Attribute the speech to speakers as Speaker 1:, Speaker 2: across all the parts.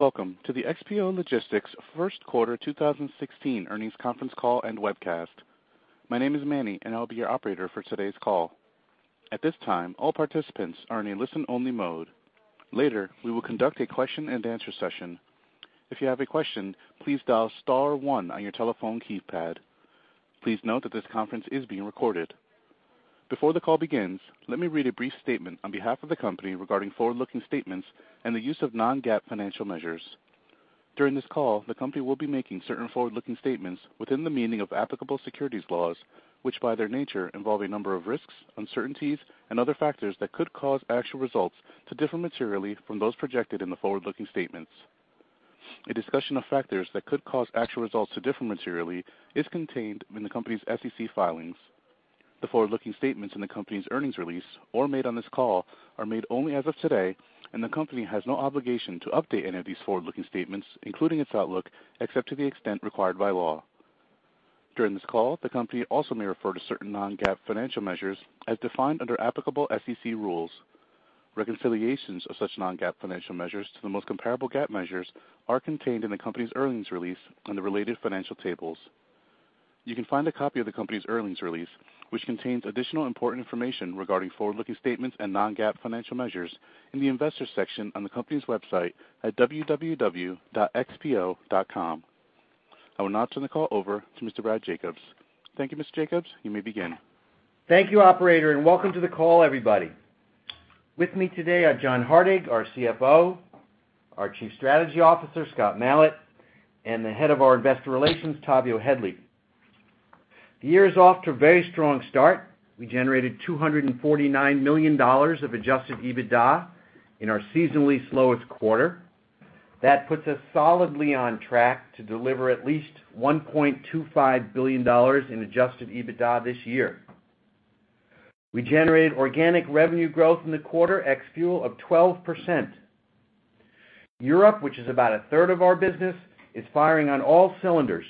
Speaker 1: Welcome to the XPO Logistics First Quarter 2016 Earnings Conference Call and Webcast. My name is Manny, and I'll be your operator for today's call. At this time, all participants are in a listen-only mode. Later, we will conduct a question-and-answer session. If you have a question, please dial star one on your telephone keypad. Please note that this conference is being recorded. Before the call begins, let me read a brief statement on behalf of the company regarding forward-looking statements and the use of non-GAAP financial measures. During this call, the company will be making certain forward-looking statements within the meaning of applicable securities laws, which, by their nature, involve a number of risks, uncertainties, and other factors that could cause actual results to differ materially from those projected in the forward-looking statements. A discussion of factors that could cause actual results to differ materially is contained in the company's SEC filings. The forward-looking statements in the company's earnings release or made on this call are made only as of today, and the company has no obligation to update any of these forward-looking statements, including its outlook, except to the extent required by law. During this call, the company also may refer to certain non-GAAP financial measures as defined under applicable SEC rules. Reconciliations of such non-GAAP financial measures to the most comparable GAAP measures are contained in the company's earnings release on the related financial tables. You can find a copy of the company's earnings release, which contains additional important information regarding forward-looking statements and non-GAAP financial measures, in the Investors section on the company's website at www.xpo.com. I will now turn the call over to Mr. Brad Jacobs. Thank you, Mr. Jacobs. You may begin.
Speaker 2: Thank you, operator, and welcome to the call, everybody. With me today are John Hardig, our CFO; our Chief Strategy Officer, Scott Malat; and the head of our Investor Relations, Tavio Headley. The year is off to a very strong start. We generated $249 million of adjusted EBITDA in our seasonally slowest quarter. That puts us solidly on track to deliver at least $1.25 billion in adjusted EBITDA this year. We generated organic revenue growth in the quarter ex-fuel of 12%. Europe, which is about a third of our business, is firing on all cylinders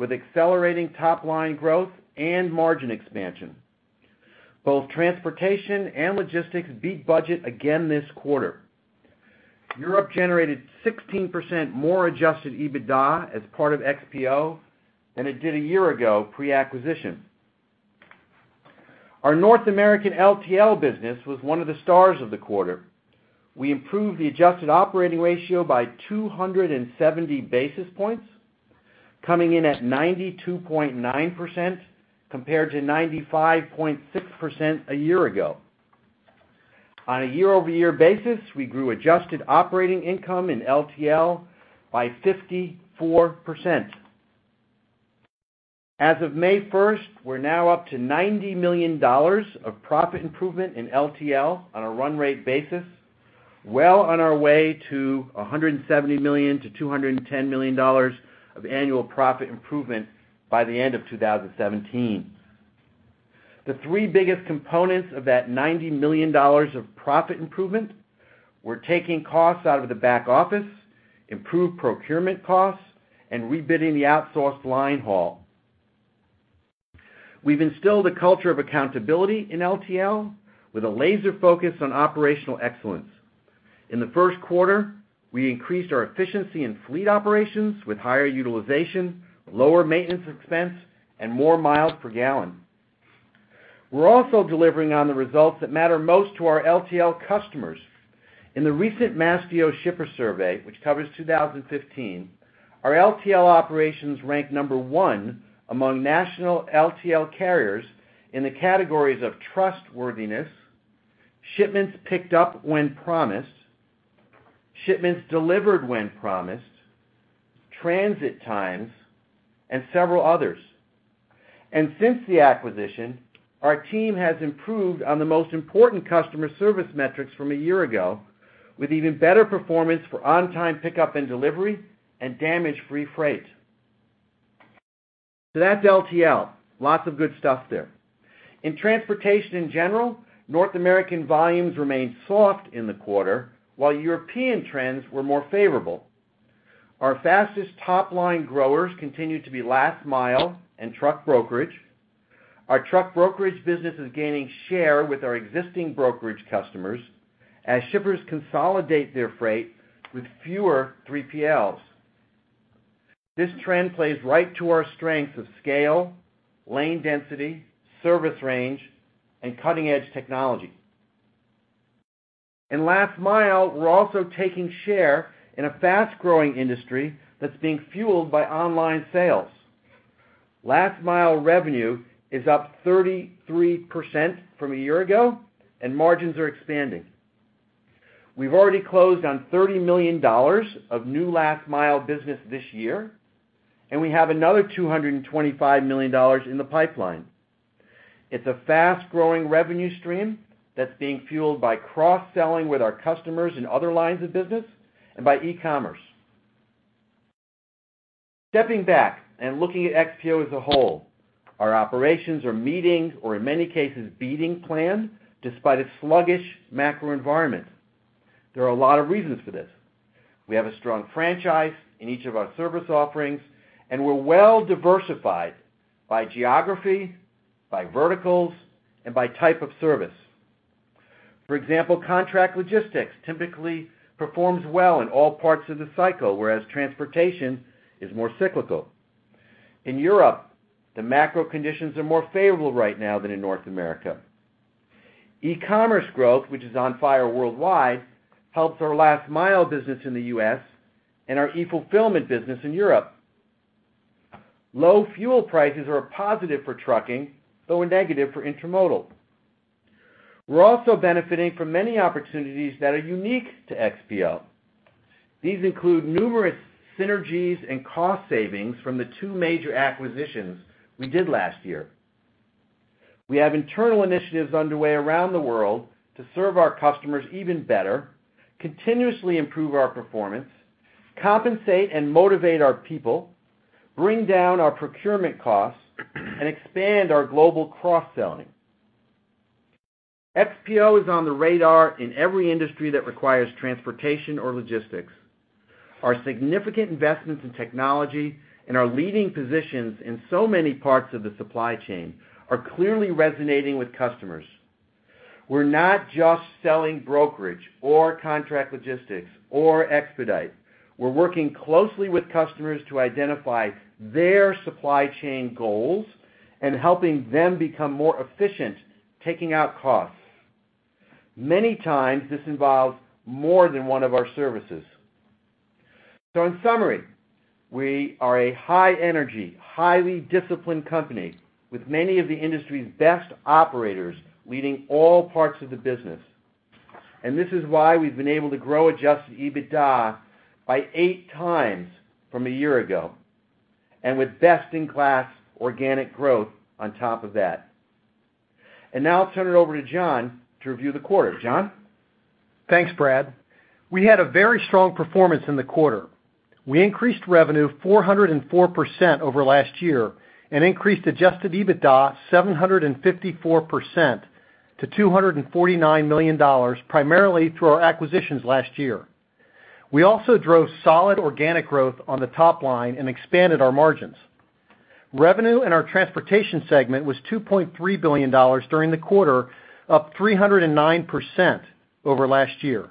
Speaker 2: with accelerating top-line growth and margin expansion. Both transportation and logistics beat budget again this quarter. Europe generated 16% more adjusted EBITDA as part of XPO than it did a year ago pre-acquisition. Our North American LTL business was one of the stars of the quarter. We improved the adjusted operating ratio by 270 basis points, coming in at 92.9%, compared to 95.6% a year ago. On a year-over-year basis, we grew adjusted operating income in LTL by 54%. As of May 1, we're now up to $90 million of profit improvement in LTL on a run rate basis, well on our way to $170 million-$210 million of annual profit improvement by the end of 2017. The three biggest components of that $90 million of profit improvement were taking costs out of the back office, improved procurement costs, and rebidding the outsourced line haul. We've instilled a culture of accountability in LTL with a laser focus on operational excellence. In the first quarter, we increased our efficiency in fleet operations with higher utilization, lower maintenance expense, and more miles per gallon. We're also delivering on the results that matter most to our LTL customers. In the recent Mastio Shipper Survey, which covers 2015, our LTL operations ranked number one among national LTL carriers in the categories of trustworthiness, shipments picked up when promised, shipments delivered when promised, transit times, and several others. Since the acquisition, our team has improved on the most important customer service metrics from a year ago, with even better performance for on-time pickup and delivery and damage-free freight. That's LTL. Lots of good stuff there. In transportation in general, North American volumes remained soft in the quarter, while European trends were more favorable. Our fastest top-line growers continued to be last mile and truck brokerage. Our truck brokerage business is gaining share with our existing brokerage customers as shippers consolidate their freight with fewer 3PLs. This trend plays right to our strength of scale, lane density, service range, and cutting-edge technology. In last mile, we're also taking share in a fast-growing industry that's being fueled by online sales. Last mile revenue is up 33% from a year ago, and margins are expanding. We've already closed on $30 million of new last-mile business this year, and we have another $225 million in the pipeline. It's a fast-growing revenue stream that's being fueled by cross-selling with our customers in other lines of business and by e-commerce. Stepping back and looking at XPO as a whole, our operations are meeting, or in many cases, beating plan despite a sluggish macro environment. There are a lot of reasons for this. We have a strong franchise in each of our service offerings, and we're well diversified by geography, by verticals, and by type of service.... For example, contract logistics typically performs well in all parts of the cycle, whereas transportation is more cyclical. In Europe, the macro conditions are more favorable right now than in North America. E-commerce growth, which is on fire worldwide, helps our last mile business in the US and our e-fulfillment business in Europe. Low fuel prices are a positive for trucking, though a negative for intermodal. We're also benefiting from many opportunities that are unique to XPO. These include numerous synergies and cost savings from the two major acquisitions we did last year. We have internal initiatives underway around the world to serve our customers even better, continuously improve our performance, compensate and motivate our people, bring down our procurement costs, and expand our global cross-selling. XPO is on the radar in every industry that requires transportation or logistics. Our significant investments in technology and our leading positions in so many parts of the supply chain are clearly resonating with customers. We're not just selling brokerage or contract logistics or expedite. We're working closely with customers to identify their supply chain goals and helping them become more efficient, taking out costs. Many times, this involves more than one of our services. So in summary, we are a high-energy, highly disciplined company with many of the industry's best operators leading all parts of the business. And this is why we've been able to grow Adjusted EBITDA by 8 times from a year ago, and with best-in-class organic growth on top of that. And now I'll turn it over to John to review the quarter. John?
Speaker 3: Thanks, Brad. We had a very strong performance in the quarter. We increased revenue 404% over last year and increased adjusted EBITDA 754% to $249 million, primarily through our acquisitions last year. We also drove solid organic growth on the top line and expanded our margins. Revenue in our transportation segment was $2.3 billion during the quarter, up 309% over last year.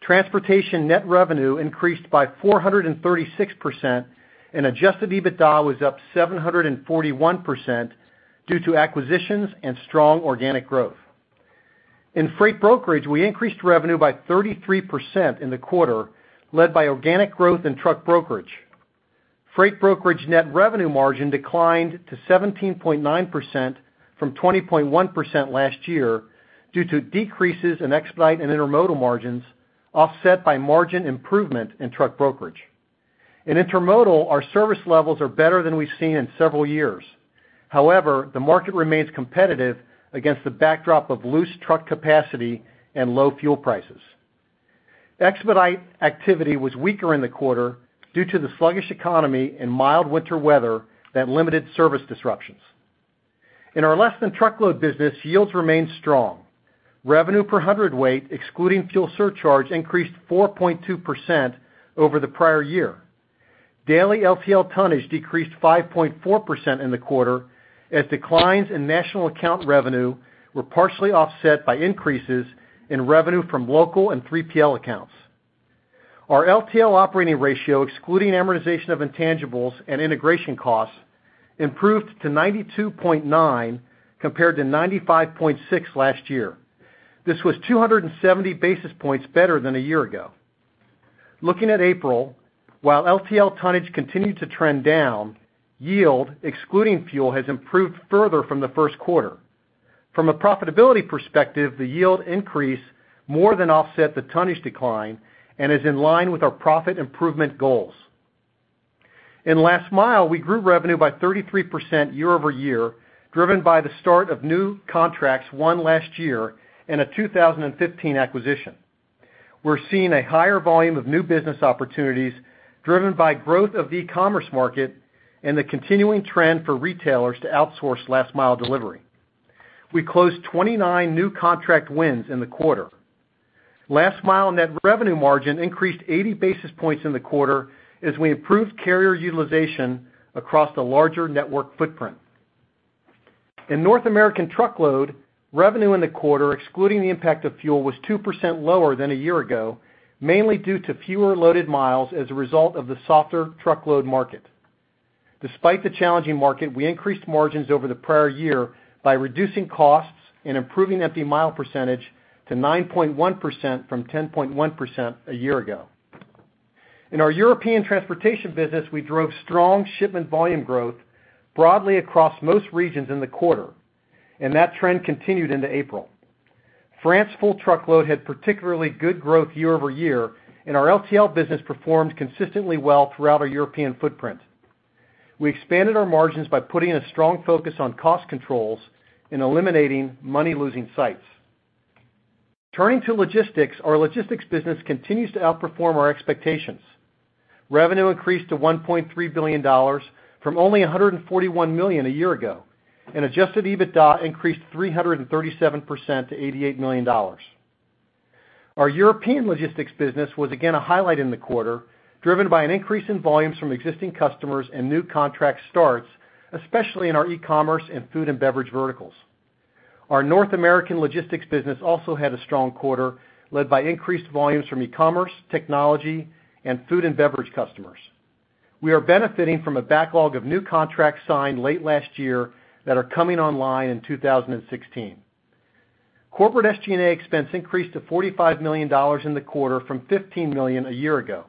Speaker 3: Transportation net revenue increased by 436%, and adjusted EBITDA was up 741% due to acquisitions and strong organic growth. In freight brokerage, we increased revenue by 33% in the quarter, led by organic growth in truck brokerage. Freight brokerage net revenue margin declined to 17.9% from 20.1% last year due to decreases in expedite and intermodal margins, offset by margin improvement in truck brokerage. In intermodal, our service levels are better than we've seen in several years. However, the market remains competitive against the backdrop of loose truck capacity and low fuel prices. Expedite activity was weaker in the quarter due to the sluggish economy and mild winter weather that limited service disruptions. In our less than truckload business, yields remained strong. Revenue per hundredweight, excluding fuel surcharge, increased 4.2% over the prior year. Daily LTL tonnage decreased 5.4% in the quarter, as declines in national account revenue were partially offset by increases in revenue from local and 3PL accounts. Our LTL operating ratio, excluding amortization of intangibles and integration costs, improved to 92.9, compared to 95.6 last year. This was 270 basis points better than a year ago. Looking at April, while LTL tonnage continued to trend down, yield, excluding fuel, has improved further from the first quarter. From a profitability perspective, the yield increase more than offset the tonnage decline and is in line with our profit improvement goals. In last-mile, we grew revenue by 33% year-over-year, driven by the start of new contracts won last year and a 2015 acquisition. We're seeing a higher volume of new business opportunities driven by growth of the e-commerce market and the continuing trend for retailers to outsource last-mile delivery. We closed 29 new contract wins in the quarter. Last-mile net revenue margin increased 80 basis points in the quarter as we improved carrier utilization across the larger network footprint. In North American truckload, revenue in the quarter, excluding the impact of fuel, was 2% lower than a year ago, mainly due to fewer loaded miles as a result of the softer truckload market. Despite the challenging market, we increased margins over the prior year by reducing costs and improving empty mile percentage to 9.1% from 10.1% a year ago. In our European transportation business, we drove strong shipment volume growth broadly across most regions in the quarter, and that trend continued into April. France full truckload had particularly good growth year over year, and our LTL business performed consistently well throughout our European footprint. We expanded our margins by putting a strong focus on cost controls and eliminating money-losing sites. Turning to logistics, our logistics business continues to outperform our expectations. Revenue increased to $1.3 billion from only $141 million a year ago, and adjusted EBITDA increased 337% to $88 million.... Our European logistics business was again a highlight in the quarter, driven by an increase in volumes from existing customers and new contract starts, especially in our e-commerce and food and beverage verticals. Our North American logistics business also had a strong quarter, led by increased volumes from e-commerce, technology, and food and beverage customers. We are benefiting from a backlog of new contracts signed late last year that are coming online in 2016. Corporate SG&A expense increased to $45 million in the quarter from $15 million a year ago.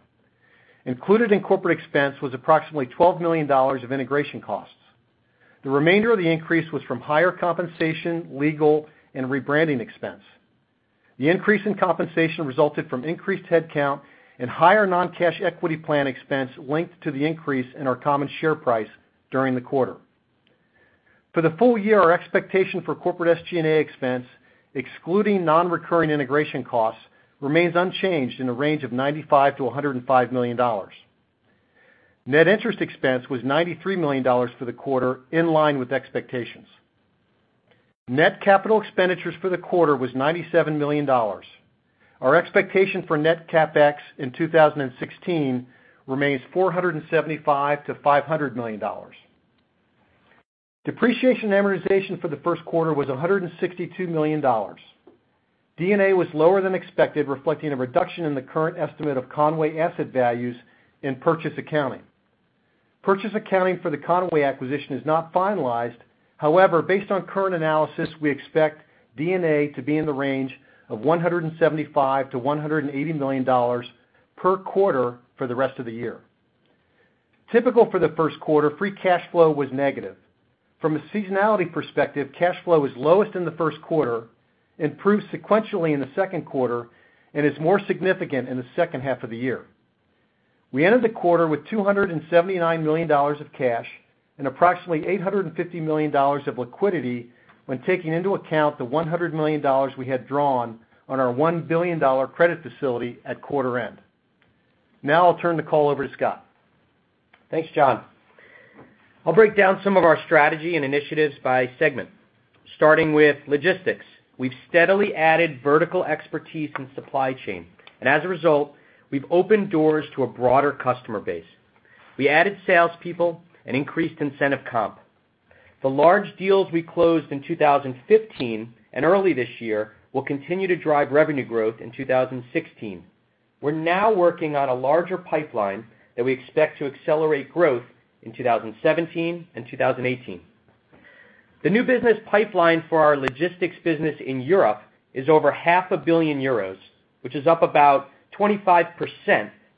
Speaker 3: Included in corporate expense was approximately $12 million of integration costs. The remainder of the increase was from higher compensation, legal, and rebranding expense. The increase in compensation resulted from increased headcount and higher non-cash equity plan expense linked to the increase in our common share price during the quarter. For the full year, our expectation for corporate SG&A expense, excluding non-recurring integration costs, remains unchanged in the range of $95 million-$105 million. Net interest expense was $93 million for the quarter, in line with expectations. Net capital expenditures for the quarter was $97 million. Our expectation for net CapEx in 2016 remains $475 million-$500 million. Depreciation and amortization for the first quarter was $162 million. D&A was lower than expected, reflecting a reduction in the current estimate of Con-way asset values in purchase accounting. Purchase accounting for the Con-way acquisition is not finalized. However, based on current analysis, we expect D&A to be in the range of $175 million-$180 million per quarter for the rest of the year. Typical for the first quarter, free cash flow was negative. From a seasonality perspective, cash flow is lowest in the first quarter, improves sequentially in the second quarter, and is more significant in the second half of the year. We ended the quarter with $279 million of cash and approximately $850 million of liquidity, when taking into account the $100 million we had drawn on our $1 billion credit facility at quarter end. Now I'll turn the call over to Scott.
Speaker 4: Thanks, John. I'll break down some of our strategy and initiatives by segment. Starting with logistics, we've steadily added vertical expertise in supply chain, and as a result, we've opened doors to a broader customer base. We added salespeople and increased incentive comp. The large deals we closed in 2015 and early this year will continue to drive revenue growth in 2016. We're now working on a larger pipeline that we expect to accelerate growth in 2017 and 2018. The new business pipeline for our logistics business in Europe is over 500 million euros, which is up about 25%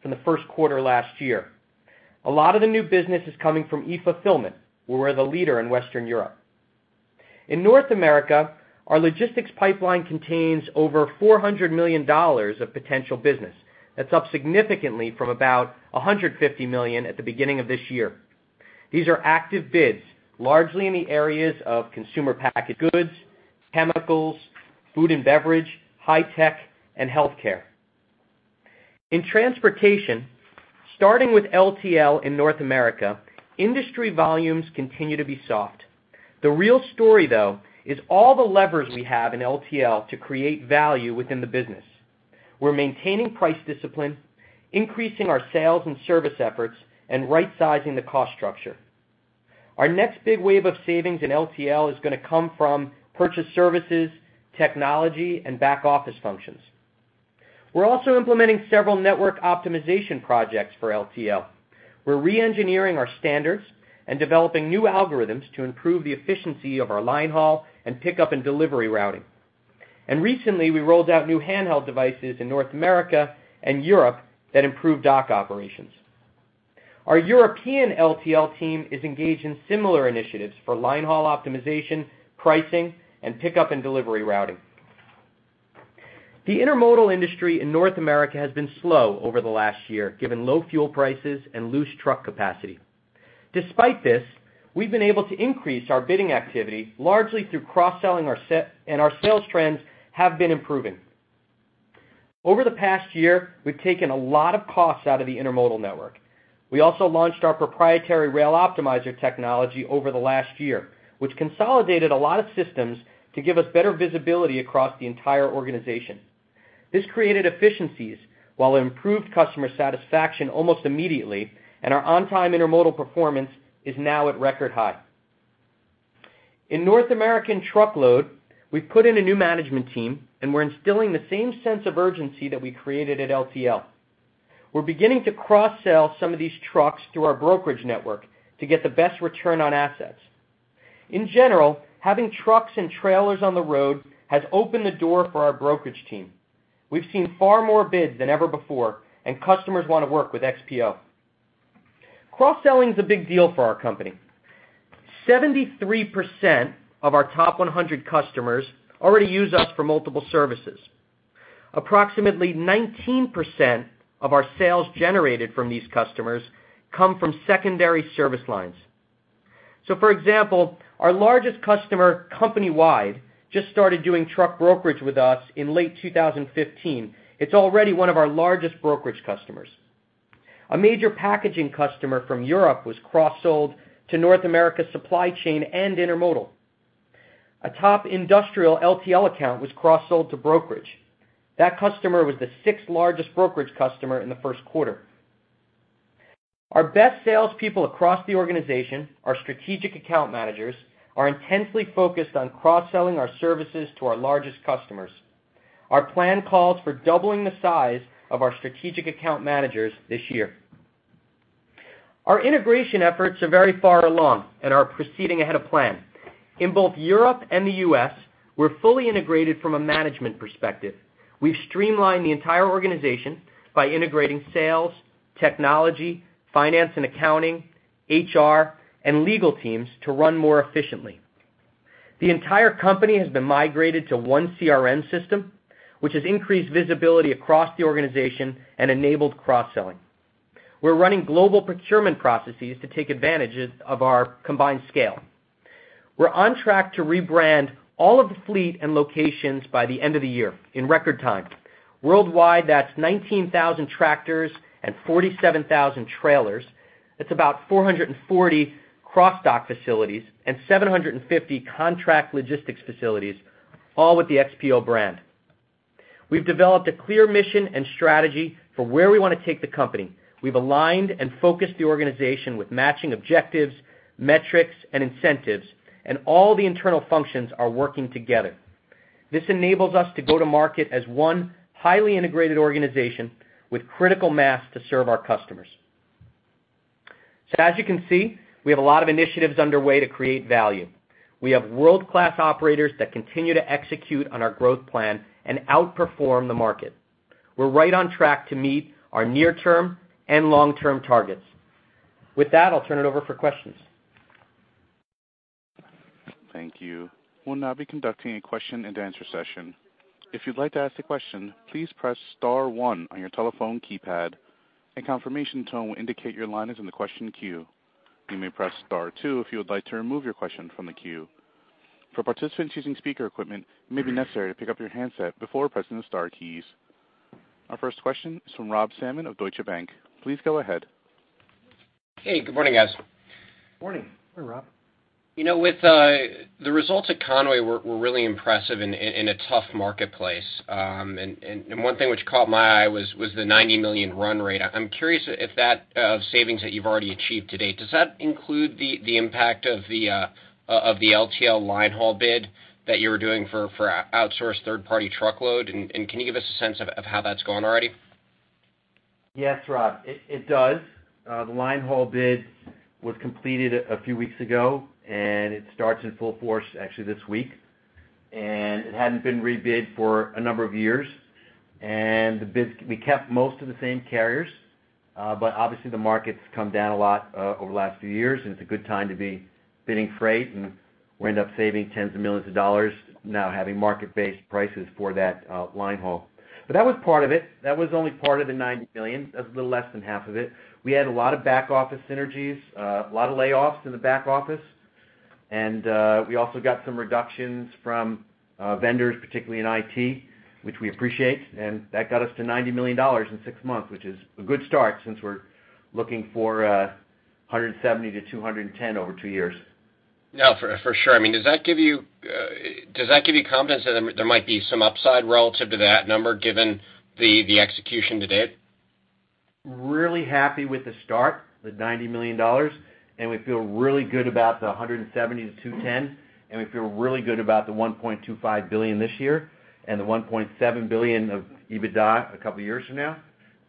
Speaker 4: from the first quarter last year. A lot of the new business is coming from e-fulfillment, where we're the leader in Western Europe. In North America, our logistics pipeline contains over $400 million of potential business. That's up significantly from about $150 million at the beginning of this year. These are active bids, largely in the areas of consumer packaged goods, chemicals, food and beverage, high tech, and healthcare. In transportation, starting with LTL in North America, industry volumes continue to be soft. The real story, though, is all the levers we have in LTL to create value within the business. We're maintaining price discipline, increasing our sales and service efforts, and rightsizing the cost structure. Our next big wave of savings in LTL is going to come from purchased services, technology, and back-office functions. We're also implementing several network optimization projects for LTL. We're reengineering our standards and developing new algorithms to improve the efficiency of our line haul and pickup and delivery routing. Recently, we rolled out new handheld devices in North America and Europe that improve dock operations. Our European LTL team is engaged in similar initiatives for line haul optimization, pricing, and pickup and delivery routing. The intermodal industry in North America has been slow over the last year, given low fuel prices and loose truck capacity. Despite this, we've been able to increase our bidding activity, largely through cross-selling our set, and our sales trends have been improving. Over the past year, we've taken a lot of costs out of the intermodal network. We also launched our proprietary Rail Optimizer technology over the last year, which consolidated a lot of systems to give us better visibility across the entire organization. This created efficiencies while it improved customer satisfaction almost immediately, and our on-time intermodal performance is now at record high. In North American truckload, we've put in a new management team, and we're instilling the same sense of urgency that we created at LTL. We're beginning to cross-sell some of these trucks through our brokerage network to get the best return on assets. In general, having trucks and trailers on the road has opened the door for our brokerage team. We've seen far more bids than ever before, and customers want to work with XPO. Cross-selling is a big deal for our company. 73% of our top 100 customers already use us for multiple services. Approximately 19% of our sales generated from these customers come from secondary service lines. So for example, our largest customer company-wide just started doing truck brokerage with us in late 2015. It's already one of our largest brokerage customers. A major packaging customer from Europe was cross-sold to North America supply chain and intermodal. A top industrial LTL account was cross-sold to brokerage. That customer was the sixth largest brokerage customer in the first quarter. Our best salespeople across the organization, our strategic account managers, are intensely focused on cross-selling our services to our largest customers. Our plan calls for doubling the size of our strategic account managers this year. Our integration efforts are very far along and are proceeding ahead of plan. In both Europe and the US, we're fully integrated from a management perspective. We've streamlined the entire organization by integrating sales, technology, finance and accounting, HR, and legal teams to run more efficiently. The entire company has been migrated to one CRM system, which has increased visibility across the organization and enabled cross-selling. We're running global procurement processes to take advantage of our combined scale. We're on track to rebrand all of the fleet and locations by the end of the year in record time. Worldwide, that's 19,000 tractors and 47,000 trailers. That's about 440 cross-dock facilities and 750 contract logistics facilities, all with the XPO brand. We've developed a clear mission and strategy for where we want to take the company. We've aligned and focused the organization with matching objectives, metrics, and incentives, and all the internal functions are working together. This enables us to go to market as one highly integrated organization with critical mass to serve our customers. So as you can see, we have a lot of initiatives underway to create value. We have world-class operators that continue to execute on our growth plan and outperform the market. We're right on track to meet our near-term and long-term targets. With that, I'll turn it over for questions.
Speaker 1: Thank you. We'll now be conducting a question-and-answer session. If you'd like to ask a question, please press star one on your telephone keypad. A confirmation tone will indicate your line is in the question queue. You may press star two if you would like to remove your question from the queue. For participants using speaker equipment, it may be necessary to pick up your handset before pressing the star keys. Our first question is from Rob Salmon of Deutsche Bank. Please go ahead.
Speaker 5: Hey, good morning, guys.
Speaker 3: Morning.
Speaker 4: Morning, Rob.
Speaker 5: You know, with the results at Con-way were really impressive in a tough marketplace. And one thing which caught my eye was the $90 million run rate. I'm curious if that savings that you've already achieved to date does that include the impact of the LTL line haul bid that you were doing for outsourced third-party truckload? And can you give us a sense of how that's going already?
Speaker 4: Yes, Rob, it does. The line haul bid was completed a few weeks ago, and it starts in full force actually this week. And it hadn't been rebid for a number of years, and the bids, we kept most of the same carriers, but obviously, the market's come down a lot over the last few years, and it's a good time to be bidding freight, and we end up saving $10s of millions now having market-based prices for that line haul. But that was part of it. That was only part of the $90 million, a little less than half of it. We had a lot of back-office synergies, a lot of layoffs in the back office, and we also got some reductions from vendors, particularly in IT, which we appreciate, and that got us to $90 million in six months, which is a good start since we're looking for $170 million-$210 million over two years.
Speaker 5: Yeah, for sure. I mean, does that give you confidence that there might be some upside relative to that number, given the execution to date?
Speaker 4: Really happy with the start, the $90 million, and we feel really good about the $170 million-$210 million, and we feel really good about the $1.25 billion this year and the $1.7 billion of EBITDA a couple of years from now.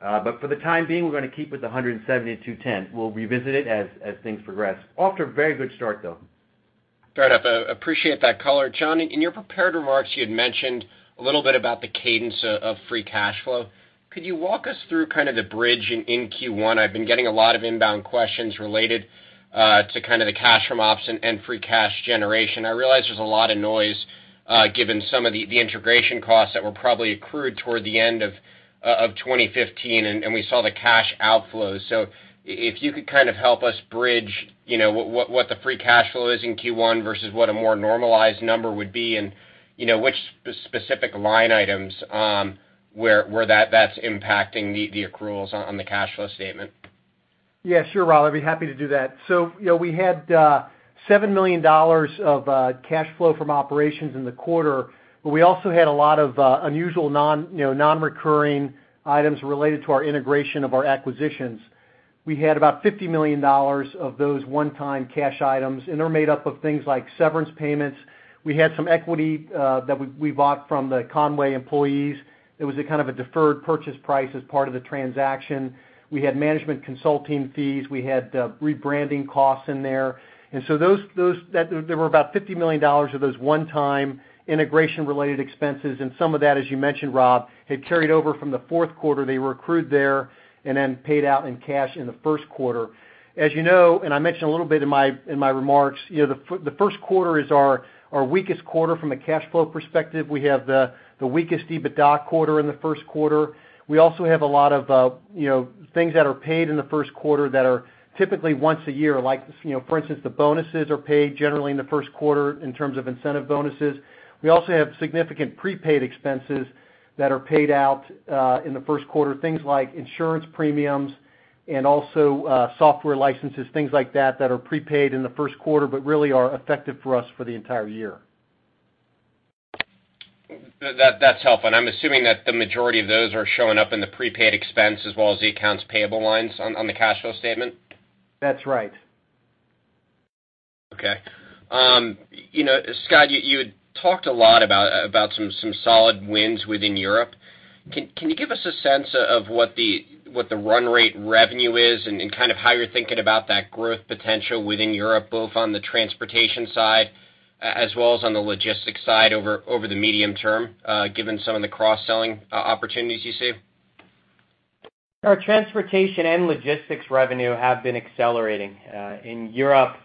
Speaker 4: But for the time being, we're going to keep with the $170 million-$210 million. We'll revisit it as things progress. Off to a very good start, though.
Speaker 5: Fair enough. Appreciate that color. John, in your prepared remarks, you had mentioned a little bit about the cadence of free cash flow. Could you walk us through kind of the bridge in Q1? I've been getting a lot of inbound questions related to kind of the cash from ops and free cash generation. I realize there's a lot of noise given some of the integration costs that were probably accrued toward the end of 2015, and we saw the cash outflows. So if you could kind of help us bridge, you know, what the free cash flow is in Q1 versus what a more normalized number would be, and, you know, which specific line items where that's impacting the accruals on the cash flow statement.
Speaker 3: Yeah, sure, Rob. I'd be happy to do that. So, you know, we had $7 million of cash flow from operations in the quarter, but we also had a lot of unusual, you know, non-recurring items related to our integration of our acquisitions. We had about $50 million of those one-time cash items, and they're made up of things like severance payments. We had some equity that we bought from the Con-way employees. It was a kind of a deferred purchase price as part of the transaction. We had management consulting fees. We had rebranding costs in there. And so those there were about $50 million of those one-time integration-related expenses, and some of that, as you mentioned, Rob, had carried over from the fourth quarter. They were accrued there and then paid out in cash in the first quarter. As you know, and I mentioned a little bit in my remarks, you know, the first quarter is our weakest quarter from a cash flow perspective. We have the weakest EBITDA quarter in the first quarter. We also have a lot of, you know, things that are paid in the first quarter that are typically once a year, like, you know, for instance, the bonuses are paid generally in the first quarter in terms of incentive bonuses. We also have significant prepaid expenses that are paid out in the first quarter, things like insurance premiums....
Speaker 2: and also, software licenses, things like that, that are prepaid in the first quarter, but really are effective for us for the entire year.
Speaker 5: That, that's helpful. And I'm assuming that the majority of those are showing up in the prepaid expense as well as the accounts payable lines on, on the cash flow statement?
Speaker 2: That's right.
Speaker 5: Okay. You know, Scott, you had talked a lot about some solid wins within Europe. Can you give us a sense of what the run rate revenue is, and kind of how you're thinking about that growth potential within Europe, both on the transportation side, as well as on the logistics side over the medium term, given some of the cross-selling opportunities you see?
Speaker 4: Our transportation and logistics revenue have been accelerating. In Europe,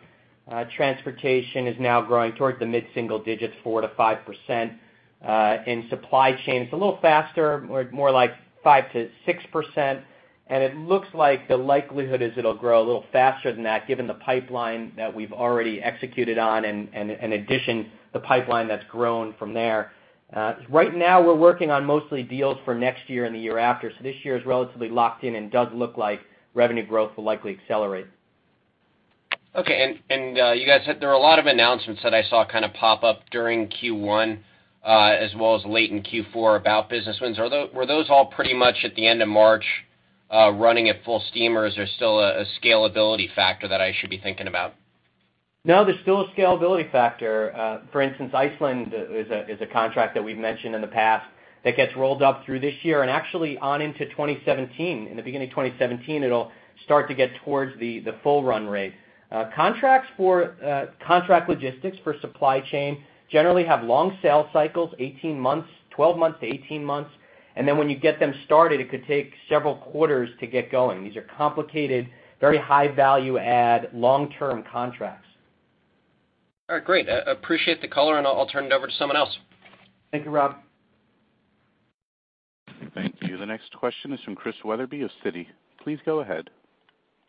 Speaker 4: transportation is now growing towards the mid-single digits, 4%-5%. In supply chain, it's a little faster, more, more like 5%-6%, and it looks like the likelihood is it'll grow a little faster than that, given the pipeline that we've already executed on, and, and, in addition, the pipeline that's grown from there. Right now, we're working on mostly deals for next year and the year after. So this year is relatively locked in and does look like revenue growth will likely accelerate.
Speaker 5: Okay. There were a lot of announcements that I saw kind of pop up during Q1, as well as late in Q4, about business wins. Were those all pretty much at the end of March, running at full steam, or is there still a scalability factor that I should be thinking about?
Speaker 4: No, there's still a scalability factor. For instance, Iceland is a contract that we've mentioned in the past, that gets rolled up through this year and actually on into 2017. In the beginning of 2017, it'll start to get towards the full run rate. Contracts for contract logistics for supply chain generally have long sales cycles, 12-18 months, and then when you get them started, it could take several quarters to get going. These are complicated, very high value add, long-term contracts.
Speaker 5: All right, great. Appreciate the color, and I'll turn it over to someone else.
Speaker 4: Thank you, Rob.
Speaker 1: Thank you. The next question is from Chris Wetherbee of Citi. Please go ahead.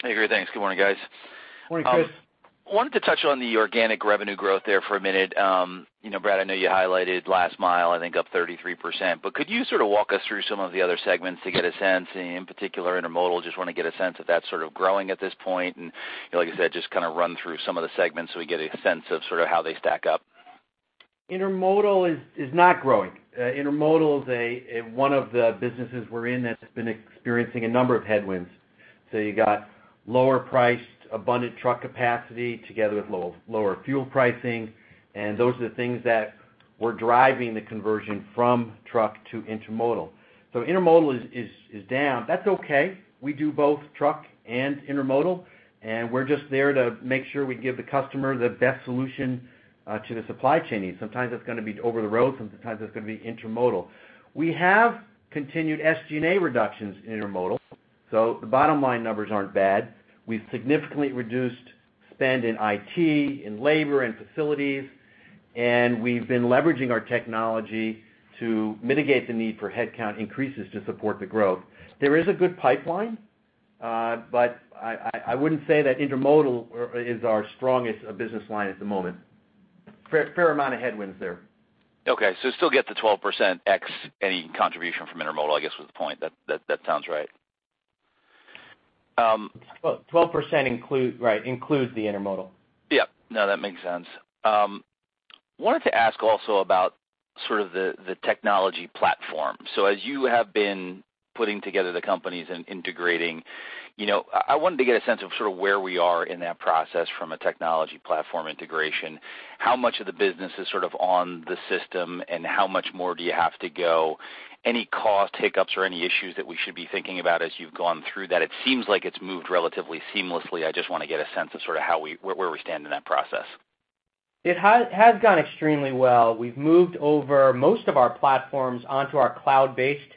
Speaker 6: Hey, great. Thanks. Good morning, guys.
Speaker 2: Morning, Chris.
Speaker 6: Wanted to touch on the organic revenue growth there for a minute. You know, Brad, I know you highlighted last mile, I think, up 33%. But could you sort of walk us through some of the other segments to get a sense, and in particular, intermodal? Just want to get a sense if that's sort of growing at this point, and like I said, just kind of run through some of the segments, so we get a sense of sort of how they stack up.
Speaker 2: Intermodal is not growing. Intermodal is one of the businesses we're in that's been experiencing a number of headwinds. So you got lower priced, abundant truck capacity together with lower fuel pricing, and those are the things that were driving the conversion from truck to intermodal. So intermodal is down. That's okay. We do both truck and intermodal, and we're just there to make sure we give the customer the best solution to the supply chain needs. Sometimes it's going to be over the road, sometimes it's going to be intermodal. We have continued SG&A reductions in intermodal, so the bottom line numbers aren't bad. We've significantly reduced spend in IT, in labor, and facilities, and we've been leveraging our technology to mitigate the need for headcount increases to support the growth. There is a good pipeline, but I wouldn't say that intermodal is our strongest business line at the moment. Fair amount of headwinds there.
Speaker 6: Okay, so still get the 12% X, any contribution from intermodal, I guess, was the point. That sounds right.
Speaker 2: Well, 12% include, right, includes the intermodal.
Speaker 6: Yep. No, that makes sense. Wanted to ask also about sort of the technology platform. So as you have been putting together the companies and integrating, you know, I wanted to get a sense of sort of where we are in that process from a technology platform integration. How much of the business is sort of on the system, and how much more do you have to go? Any cost hiccups or any issues that we should be thinking about as you've gone through that? It seems like it's moved relatively seamlessly. I just want to get a sense of sort of where we stand in that process.
Speaker 4: It has gone extremely well. We've moved over most of our platforms onto our cloud-based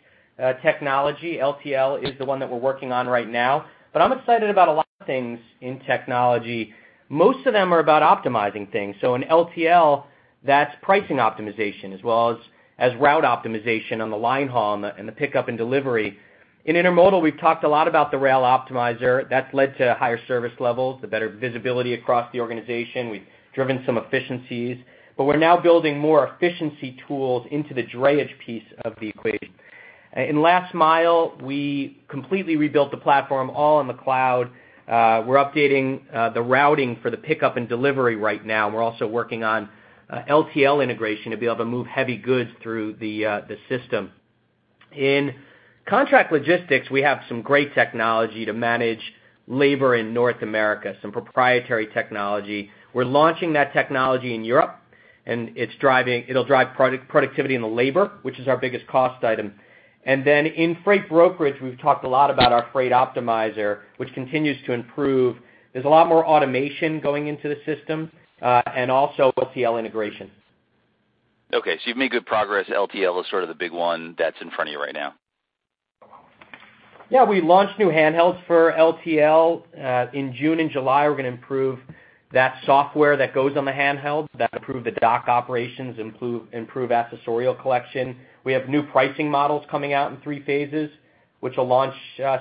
Speaker 4: technology. LTL is the one that we're working on right now. But I'm excited about a lot of things in technology. Most of them are about optimizing things. So in LTL, that's pricing optimization, as well as route optimization on the line haul and the pickup and delivery. In intermodal, we've talked a lot about the Rail Optimizer. That's led to higher service levels, the better visibility across the organization. We've driven some efficiencies, but we're now building more efficiency tools into the drayage piece of the equation. In last mile, we completely rebuilt the platform all on the cloud. We're updating the routing for the pickup and delivery right now. We're also working on LTL integration to be able to move heavy goods through the system. In contract logistics, we have some great technology to manage labor in North America, some proprietary technology. We're launching that technology in Europe, and it's driving. It'll drive productivity in the labor, which is our biggest cost item. Then in freight brokerage, we've talked a lot about our Freight Optimizer, which continues to improve. There's a lot more automation going into the system, and also LTL integration.
Speaker 6: Okay, so you've made good progress. LTL is sort of the big one that's in front of you right now?
Speaker 4: Yeah, we launched new handhelds for LTL. In June and July, we're going to improve that software that goes on the handhelds. That'll improve the dock operations, improve accessorial collection. We have new pricing models coming out in three phases, which will launch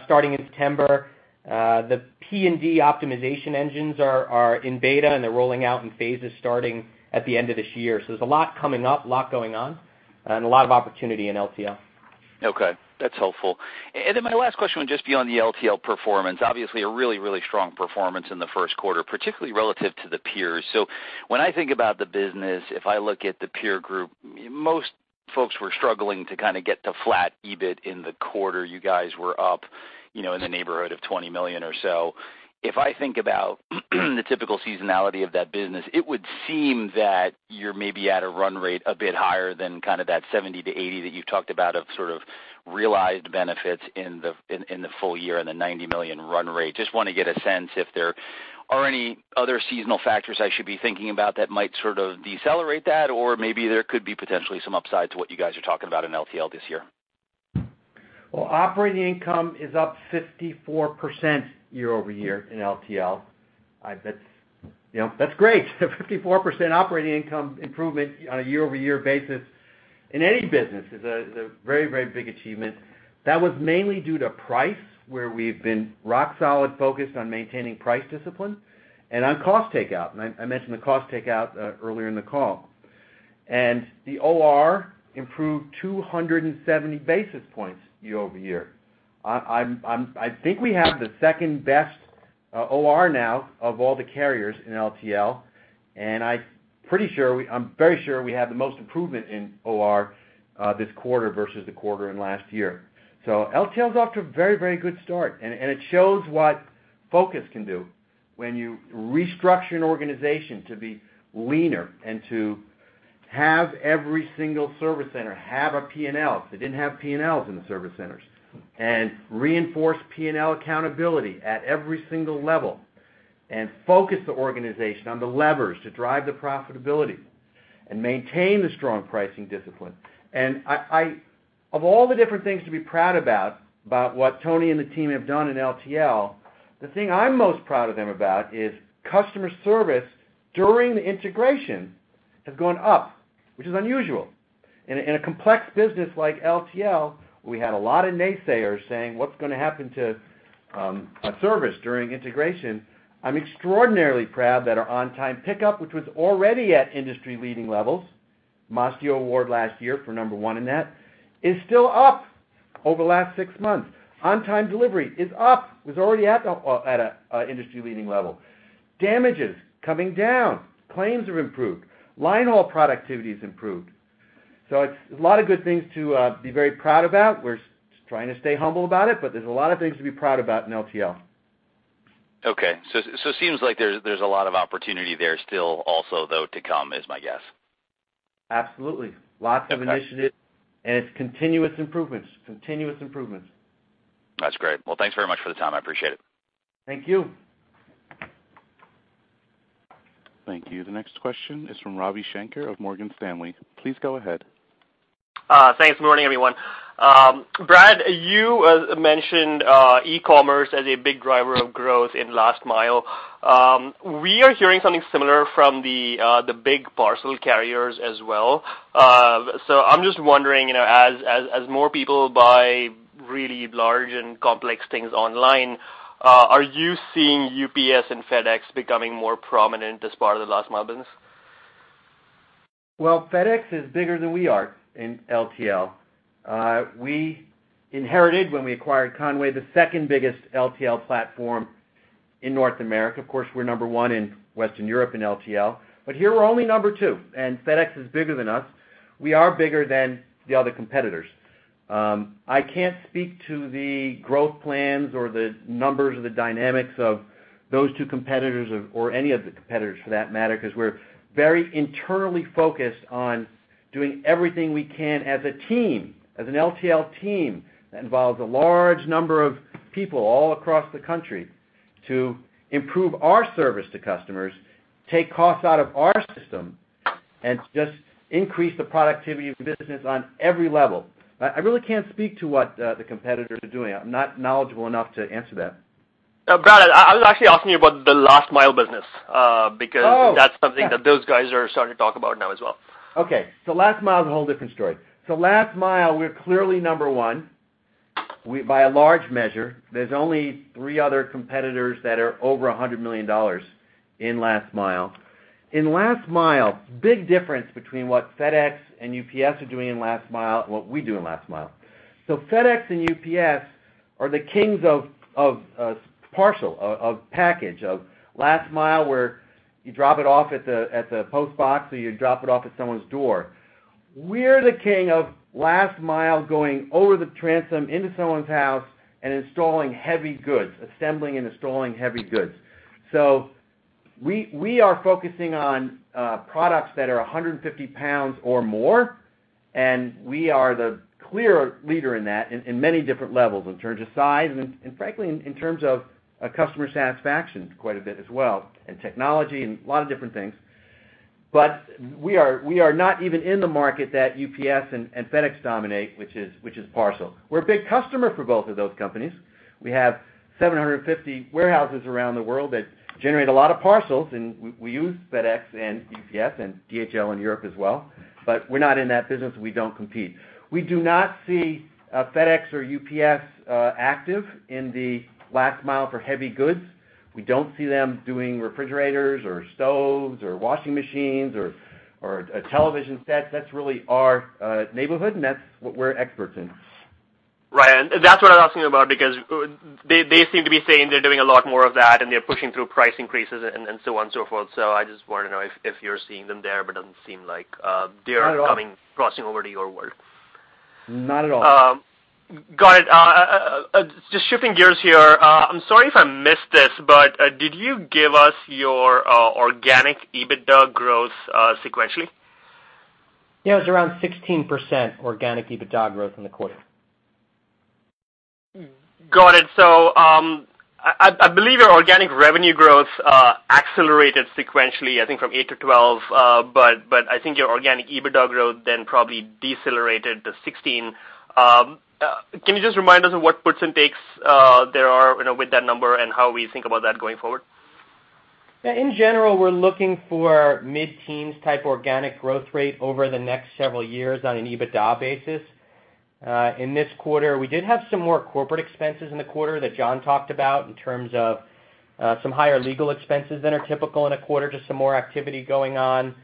Speaker 4: starting in September. The P&D optimization engines are in beta, and they're rolling out in phases starting at the end of this year. So there's a lot coming up, a lot going on....
Speaker 2: and a lot of opportunity in LTL.
Speaker 6: Okay, that's helpful. And then my last question would just be on the LTL performance. Obviously, a really, really strong performance in the first quarter, particularly relative to the peers. So when I think about the business, if I look at the peer group, most folks were struggling to kind of get to flat EBIT in the quarter. You guys were up, you know, in the neighborhood of $20 million or so. If I think about the typical seasonality of that business, it would seem that you're maybe at a run rate a bit higher than kind of that $70-$80 that you've talked about, of sort of realized benefits in the, in, in the full year and the $90 million run rate. Just want to get a sense if there are any other seasonal factors I should be thinking about that might sort of decelerate that, or maybe there could be potentially some upside to what you guys are talking about in LTL this year?
Speaker 2: Well, operating income is up 54% year-over-year in LTL. That's, you know, that's great. 54% operating income improvement on a year-over-year basis in any business is a, is a very, very big achievement. That was mainly due to price, where we've been rock solid focused on maintaining price discipline and on cost takeout. And I mentioned the cost takeout earlier in the call. And the OR improved 270 basis points year-over-year. I'm. I think we have the second-best OR now of all the carriers in LTL, and I'm pretty sure we. I'm very sure we have the most improvement in OR this quarter versus the quarter in last year. So LTL is off to a very, very good start, and it shows what focus can do when you restructure an organization to be leaner and to have every single service center have a PNL. They didn't have PNLs in the service centers. And reinforce PNL accountability at every single level, and focus the organization on the levers to drive the profitability and maintain the strong pricing discipline. Of all the different things to be proud about what Tony and the team have done in LTL, the thing I'm most proud of them about is customer service during the integration has gone up, which is unusual. In a complex business like LTL, we had a lot of naysayers saying: What's going to happen to our service during integration? I'm extraordinarily proud that our on-time pickup, which was already at industry-leading levels, Mastio Award last year for number one in that, is still up over the last six months. On-time delivery is up. It was already at, at a, industry-leading level. Damages, coming down. Claims have improved. Line haul productivity has improved. So it's a lot of good things to, be very proud about. We're trying to stay humble about it, but there's a lot of things to be proud about in LTL.
Speaker 6: Okay. So it seems like there's a lot of opportunity there still also, though, to come, is my guess.
Speaker 2: Absolutely.
Speaker 6: Okay.
Speaker 2: Lots of initiatives, and it's continuous improvements. Continuous improvements.
Speaker 6: That's great. Well, thanks very much for the time. I appreciate it.
Speaker 2: Thank you.
Speaker 1: Thank you. The next question is from Ravi Shanker of Morgan Stanley. Please go ahead.
Speaker 7: Thanks. Good morning, everyone. Brad, you mentioned e-commerce as a big driver of growth in last mile. We are hearing something similar from the big parcel carriers as well. So I'm just wondering, you know, as more people buy really large and complex things online, are you seeing UPS and FedEx becoming more prominent as part of the last mile business?
Speaker 2: Well, FedEx is bigger than we are in LTL. We inherited, when we acquired Con-way, the second biggest LTL platform in North America. Of course, we're number one in Western Europe, in LTL, but here we're only number two, and FedEx is bigger than us. We are bigger than the other competitors. I can't speak to the growth plans or the numbers or the dynamics of those two competitors or any of the competitors, for that matter, because we're very internally focused on doing everything we can as a team, as an LTL team, that involves a large number of people all across the country, to improve our service to customers, take costs out of our system, and just increase the productivity of the business on every level. I really can't speak to what the competitors are doing. I'm not knowledgeable enough to answer that.
Speaker 7: Brad, I was actually asking you about the last mile business.
Speaker 2: Oh!
Speaker 7: Because that's something that those guys are starting to talk about now as well.
Speaker 2: Okay. So last mile is a whole different story. So last mile, we're clearly number one. By a large measure, there's only three other competitors that are over $100 million in last mile. In last mile, big difference between what FedEx and UPS are doing in last mile and what we do in last mile. So FedEx and UPS are the kings of partial package last mile, where you drop it off at the post box, or you drop it off at someone's door. We're the king of last mile, going over the transom, into someone's house, and installing heavy goods, assembling and installing heavy goods. So we are focusing on products that are 150 pounds or more, and we are the clear leader in that in many different levels, in terms of size and frankly, in terms of customer satisfaction, quite a bit as well, and technology and a lot of different things. But we are not even in the market that UPS and FedEx dominate, which is parcel. We're a big customer for both of those companies. We have 750 warehouses around the world that generate a lot of parcels, and we use FedEx and UPS and DHL in Europe as well. But we're not in that business, we don't compete. We do not see FedEx or UPS active in the last mile for heavy goods....
Speaker 4: we don't see them doing refrigerators or stoves or washing machines or a television set. That's really our neighborhood, and that's what we're experts in.
Speaker 7: Right. And that's what I'm asking about because they, they seem to be saying they're doing a lot more of that, and they're pushing through price increases and, and so on, so forth. So I just wanted to know if, if you're seeing them there, but it doesn't seem like,
Speaker 4: Not at all....
Speaker 7: they're coming, crossing over to your world.
Speaker 4: Not at all.
Speaker 7: Got it. Just shifting gears here. I'm sorry if I missed this, but did you give us your organic EBITDA growth sequentially?
Speaker 4: Yeah, it was around 16% organic EBITDA growth in the quarter.
Speaker 7: Got it. So, I believe your organic revenue growth accelerated sequentially, I think from 8 to 12, but I think your organic EBITDA growth then probably decelerated to 16. Can you just remind us of what puts and takes there are, you know, with that number and how we think about that going forward?
Speaker 4: Yeah, in general, we're looking for mid-teens type organic growth rate over the next several years on an EBITDA basis. In this quarter, we did have some more corporate expenses in the quarter that John talked about in terms of some higher legal expenses than are typical in a quarter, just some more activity going on.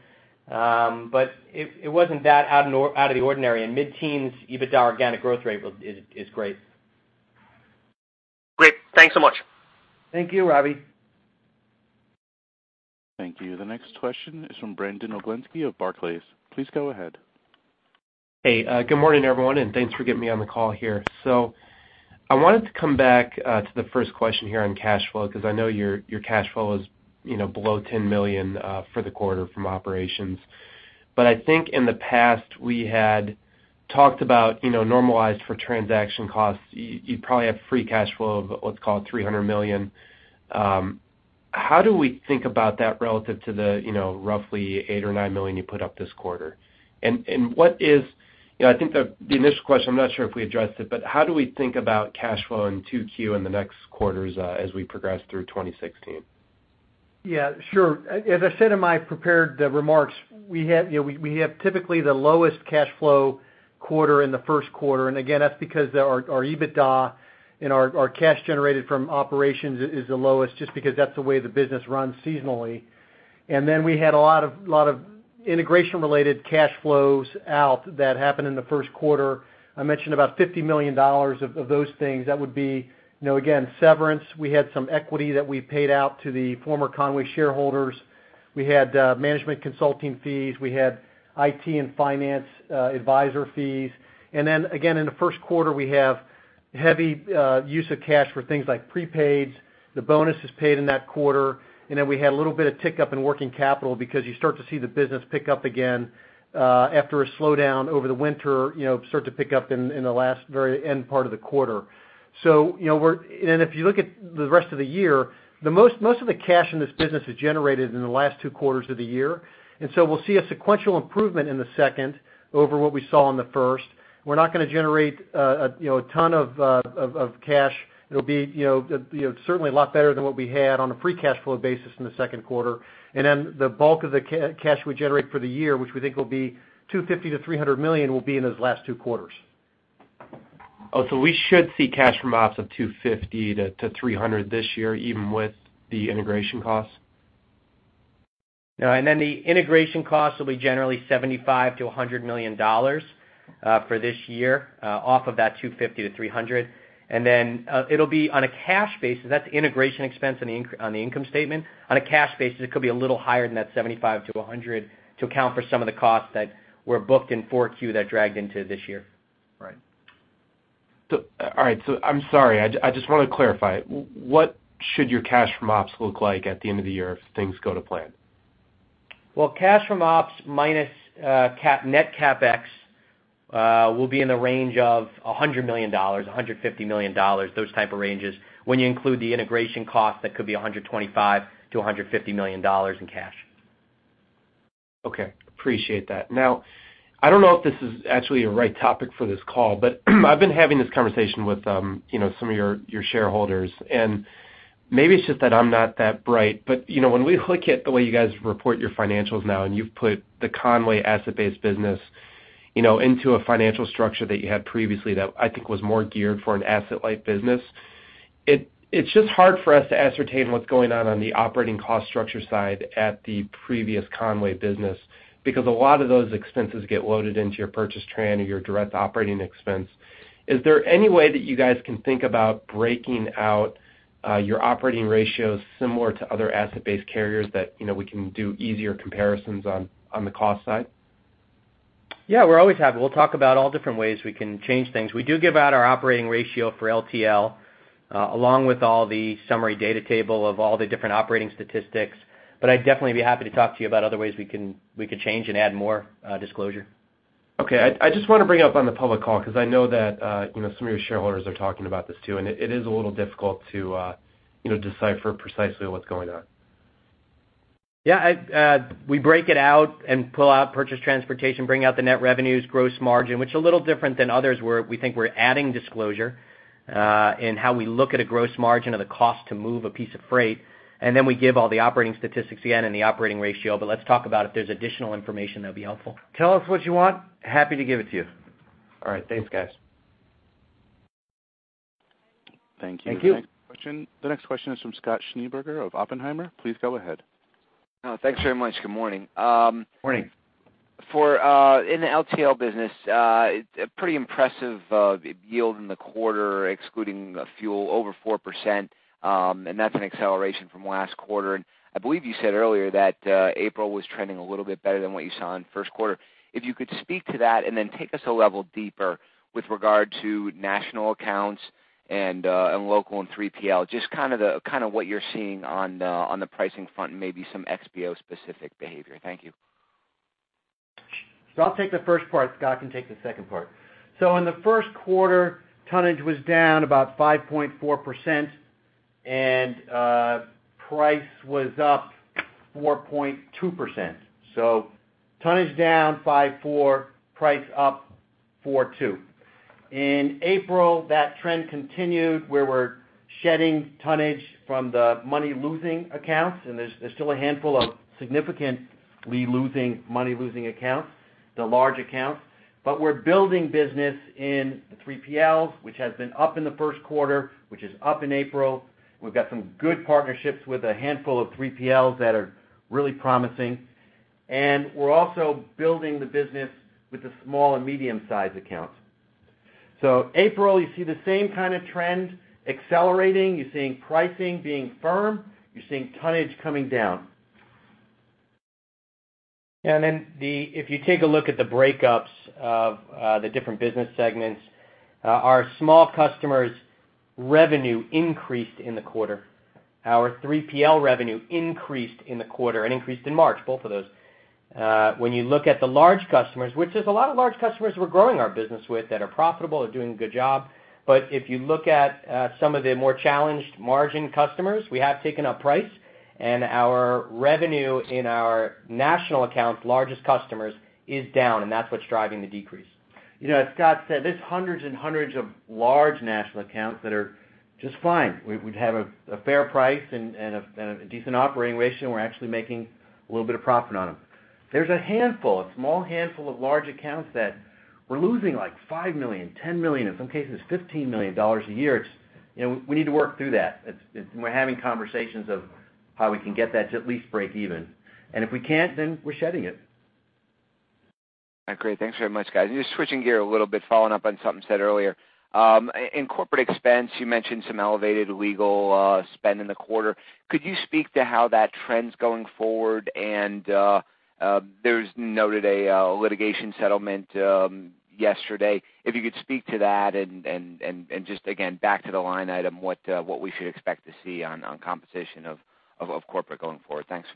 Speaker 4: But it wasn't that out of the ordinary, and mid-teens EBITDA organic growth rate is great.
Speaker 7: Great. Thanks so much.
Speaker 4: Thank you, Ravi.
Speaker 1: Thank you. The next question is from Brandon Oglenski of Barclays. Please go ahead.
Speaker 8: Hey, good morning, everyone, and thanks for getting me on the call here. So I wanted to come back to the first question here on cash flow, because I know your, your cash flow is, you know, below $10 million for the quarter from operations. But I think in the past, we had talked about, you know, normalized for transaction costs, you, you probably have free cash flow of let's call it $300 million. How do we think about that relative to the, you know, roughly $8 million or $9 million you put up this quarter? And, and what is... You know, I think the initial question, I'm not sure if we addressed it, but how do we think about cash flow in 2Q in the next quarters as we progress through 2016?
Speaker 3: Yeah, sure. As I said in my prepared remarks, we have, you know, we have typically the lowest cash flow quarter in the first quarter, and again, that's because our EBITDA and our cash generated from operations is the lowest, just because that's the way the business runs seasonally. And then we had a lot of integration-related cash flows out that happened in the first quarter. I mentioned about $50 million of those things. That would be, you know, again, severance. We had some equity that we paid out to the former Con-way shareholders. We had management consulting fees. We had IT and finance advisor fees. And then again, in the first quarter, we have heavy use of cash for things like prepaids. The bonus is paid in that quarter. And then we had a little bit of tick up in working capital because you start to see the business pick up again, after a slowdown over the winter, you know, start to pick up in the last very end part of the quarter. So, you know, we're, and if you look at the rest of the year, the most of the cash in this business is generated in the last two quarters of the year, and so we'll see a sequential improvement in the second over what we saw in the first. We're not going to generate, you know, a ton of cash. It'll be, you know, certainly a lot better than what we had on a free cash flow basis in the second quarter. And then the bulk of the cash we generate for the year, which we think will be $250 million-$300 million, will be in those last two quarters.
Speaker 8: Oh, so we should see cash from ops of $250-$300 this year, even with the integration costs?
Speaker 4: No, and then the integration costs will be generally $75 million-$100 million for this year, off of that $250 million-$300 million. And then, it'll be on a cash basis. That's integration expense on the income statement. On a cash basis, it could be a little higher than that $75 million-$100 million to account for some of the costs that were booked in 4Q that dragged into this year.
Speaker 8: Right. So, all right, so I'm sorry, I just want to clarify. What should your cash from ops look like at the end of the year if things go to plan?
Speaker 4: Well, cash from ops minus net CapEx will be in the range of $100 million, $150 million, those type of ranges. When you include the integration cost, that could be $125 million-$150 million in cash.
Speaker 8: Okay, appreciate that. Now, I don't know if this is actually a right topic for this call, but I've been having this conversation with, you know, some of your, your shareholders, and maybe it's just that I'm not that bright. But, you know, when we look at the way you guys report your financials now, and you've put the Con-way asset-based business, you know, into a financial structure that you had previously, that I think was more geared for an asset-light business, it's just hard for us to ascertain what's going on on the operating cost structure side at the previous Con-way business, because a lot of those expenses get loaded into your purchase accounting or your direct operating expense. Is there any way that you guys can think about breaking out your operating ratios similar to other asset-based carriers that, you know, we can do easier comparisons on the cost side?
Speaker 4: Yeah, we're always happy. We'll talk about all different ways we can change things. We do give out our operating ratio for LTL along with all the summary data table of all the different operating statistics, but I'd definitely be happy to talk to you about other ways we can, we could change and add more disclosure.
Speaker 8: Okay. I just want to bring it up on the public call because I know that, you know, some of your shareholders are talking about this too, and it is a little difficult to, you know, decipher precisely what's going on.
Speaker 4: Yeah, I, we break it out and pull out purchased transportation, bring out the net revenues, gross margin, which are a little different than others, where we think we're adding disclosure in how we look at a gross margin or the cost to move a piece of freight. Then we give all the operating statistics again and the operating ratio, but let's talk about if there's additional information that'd be helpful.
Speaker 3: Tell us what you want, happy to give it to you.
Speaker 8: All right. Thanks, guys.
Speaker 1: Thank you.
Speaker 2: Thank you.
Speaker 1: The next question is from Scott Schneeberger of Oppenheimer. Please go ahead.
Speaker 9: Oh, thanks very much. Good morning.
Speaker 2: Morning.
Speaker 9: In the LTL business, a pretty impressive yield in the quarter, excluding fuel, over 4%, and that's an acceleration from last quarter. I believe you said earlier that April was trending a little bit better than what you saw in the first quarter. If you could speak to that and then take us a level deeper with regard to national accounts and local and 3PL, just kind of what you're seeing on the pricing front and maybe some XPO-specific behavior. Thank you.
Speaker 2: So I'll take the first part. Scott can take the second part. So in the first quarter, tonnage was down about 5.4%, and price was up 4.2%. So tonnage down 5.4, price up 4.2. In April, that trend continued, where we're shedding tonnage from the money-losing accounts, and there's still a handful of significantly losing, money-losing accounts, the large accounts. But we're building business in 3PLs, which has been up in the first quarter, which is up in April. We've got some good partnerships with a handful of 3PLs that are really promising. And we're also building the business with the small and medium-sized accounts. So April, you see the same kind of trend accelerating. You're seeing pricing being firm. You're seeing tonnage coming down.
Speaker 4: And then if you take a look at the breakups of the different business segments, our small customers' revenue increased in the quarter. Our 3PL revenue increased in the quarter and increased in March, both of those. When you look at the large customers, which there's a lot of large customers we're growing our business with that are profitable and doing a good job. But if you look at some of the more challenged margin customers, we have taken up price, and our revenue in our national accounts, largest customers, is down, and that's what's driving the decrease.
Speaker 2: You know, as Scott said, there's hundreds and hundreds of large national accounts that are just fine. We'd have a fair price and a decent operating ratio. We're actually making a little bit of profit on them. There's a handful, a small handful of large accounts that we're losing, like $5 million, $10 million, in some cases, $15 million a year. You know, we need to work through that. It's. We're having conversations of how we can get that to at least break even. And if we can't, then we're shedding it.
Speaker 9: Great. Thanks very much, guys. Just switching gear a little bit, following up on something said earlier. In corporate expense, you mentioned some elevated legal spend in the quarter. Could you speak to how that trend's going forward? And there's noted a litigation settlement yesterday. If you could speak to that and just again, back to the line item, what we should expect to see on composition of corporate going forward? Thanks.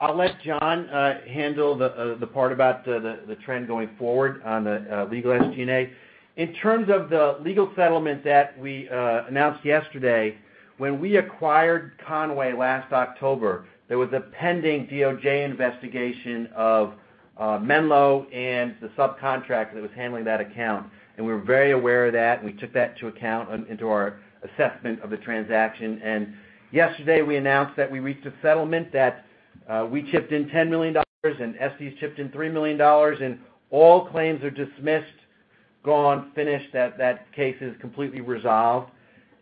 Speaker 2: I'll let John handle the part about the trend going forward on the legal SG&A. In terms of the legal settlement that we announced yesterday, when we acquired Con-way last October, there was a pending DOJ investigation of Menlo and the subcontractor that was handling that account, and we were very aware of that, and we took that into account in our assessment of the transaction. Yesterday, we announced that we reached a settlement that we chipped in $10 million, and SD chipped in $3 million, and all claims are dismissed, gone, finished, that case is completely resolved.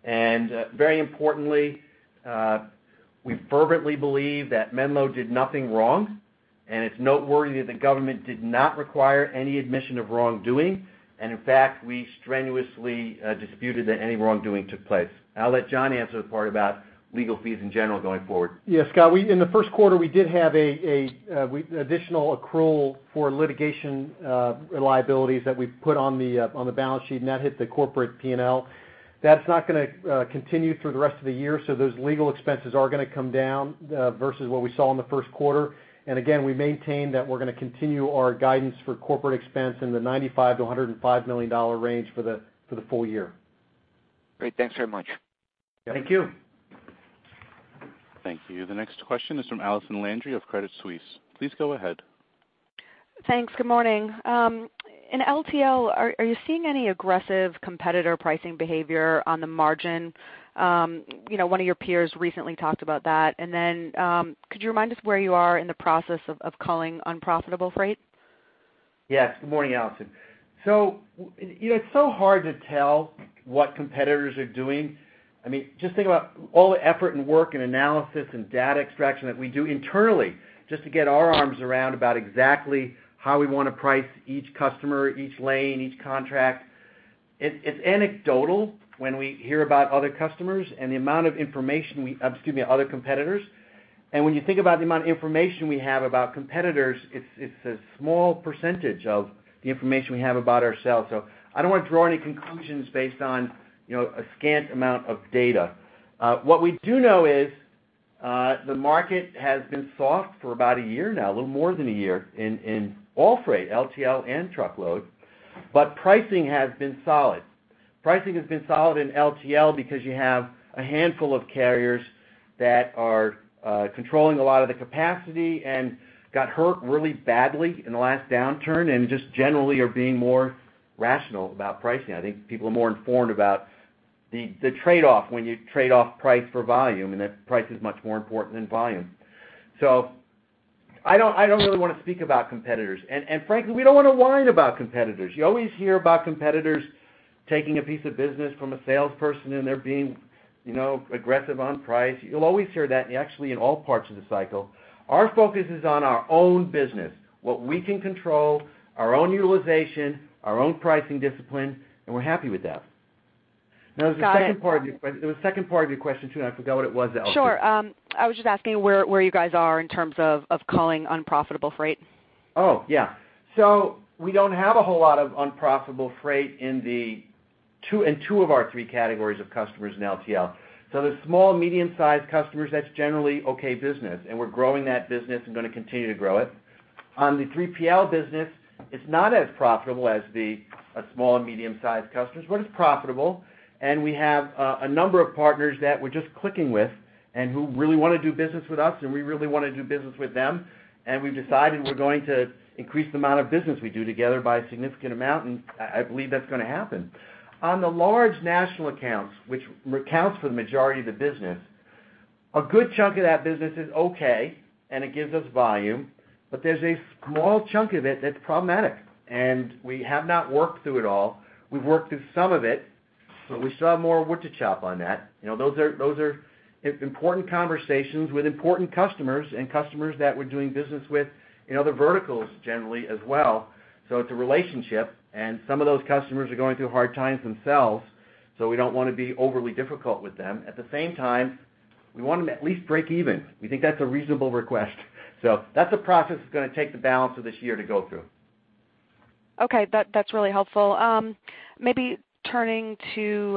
Speaker 2: Very importantly, we fervently believe that Menlo did nothing wrong, and it's noteworthy that the government did not require any admission of wrongdoing, and in fact, we strenuously disputed that any wrongdoing took place. I'll let John answer the part about legal fees in general going forward.
Speaker 3: Yes, Scott, we -- in the first quarter, we did have an additional accrual for litigation liabilities that we put on the balance sheet, and that hit the corporate PNL. That's not going to continue through the rest of the year, so those legal expenses are going to come down versus what we saw in the first quarter. And again, we maintain that we're going to continue our guidance for corporate expense in the $95 million-$105 million range for the full year.
Speaker 9: Great. Thanks very much.
Speaker 2: Thank you.
Speaker 1: Thank you. The next question is from Allison Landry of Credit Suisse. Please go ahead.
Speaker 10: Thanks. Good morning. In LTL, are you seeing any aggressive competitor pricing behavior on the margin? You know, one of your peers recently talked about that. And then, could you remind us where you are in the process of culling unprofitable freight?
Speaker 2: Yes. Good morning, Allison. So, you know, it's so hard to tell what competitors are doing. I mean, just think about all the effort and work and analysis and data extraction that we do internally just to get our arms around about exactly how we want to price each customer, each lane, each contract. It's, it's anecdotal when we hear about other customers and the amount of information we... Excuse me, other competitors. And when you think about the amount of information we have about competitors, it's, it's a small percentage of the information we have about ourselves. So I don't want to draw any conclusions based on, you know, a scant amount of data. What we do know is, the market has been soft for about a year now, a little more than a year, in, in all freight, LTL and truckload, but pricing has been solid. Pricing has been solid in LTL because you have a handful of carriers that are, controlling a lot of the capacity and got hurt really badly in the last downturn and just generally are being more rational about pricing. I think people are more informed about the, the trade-off when you trade off price for volume, and that price is much more important than volume. So... I don't, I don't really want to speak about competitors. And, and frankly, we don't want to worry about competitors. You always hear about competitors taking a piece of business from a salesperson, and they're being, you know, aggressive on price. You'll always hear that, actually, in all parts of the cycle. Our focus is on our own business, what we can control, our own utilization, our own pricing discipline, and we're happy with that.
Speaker 10: Got it.
Speaker 2: Now, there's a second part of your question. There was a second part of your question, too, and I forgot what it was, Allison.
Speaker 10: Sure. I was just asking where you guys are in terms of culling unprofitable freight?
Speaker 2: Oh, yeah. So we don't have a whole lot of unprofitable freight in two of our three categories of customers in LTL. So the small, medium-sized customers, that's generally okay business, and we're growing that business and going to continue to grow it. On the 3PL business, it's not as profitable as the small and medium-sized customers, but it's profitable, and we have a number of partners that we're just clicking with and who really want to do business with us, and we really want to do business with them. And we've decided we're going to increase the amount of business we do together by a significant amount, and I believe that's going to happen. On the large national accounts, which accounts for the majority of the business, a good chunk of that business is okay, and it gives us volume, but there's a small chunk of it that's problematic, and we have not worked through it all. We've worked through some of it, but we still have more wood to chop on that. You know, those are, those are important conversations with important customers and customers that we're doing business with in other verticals, generally, as well. So it's a relationship, and some of those customers are going through hard times themselves, so we don't want to be overly difficult with them. At the same time, we want them to at least break even. We think that's a reasonable request. So that's a process that's going to take the balance of this year to go through.
Speaker 10: Okay, that's really helpful. Maybe turning to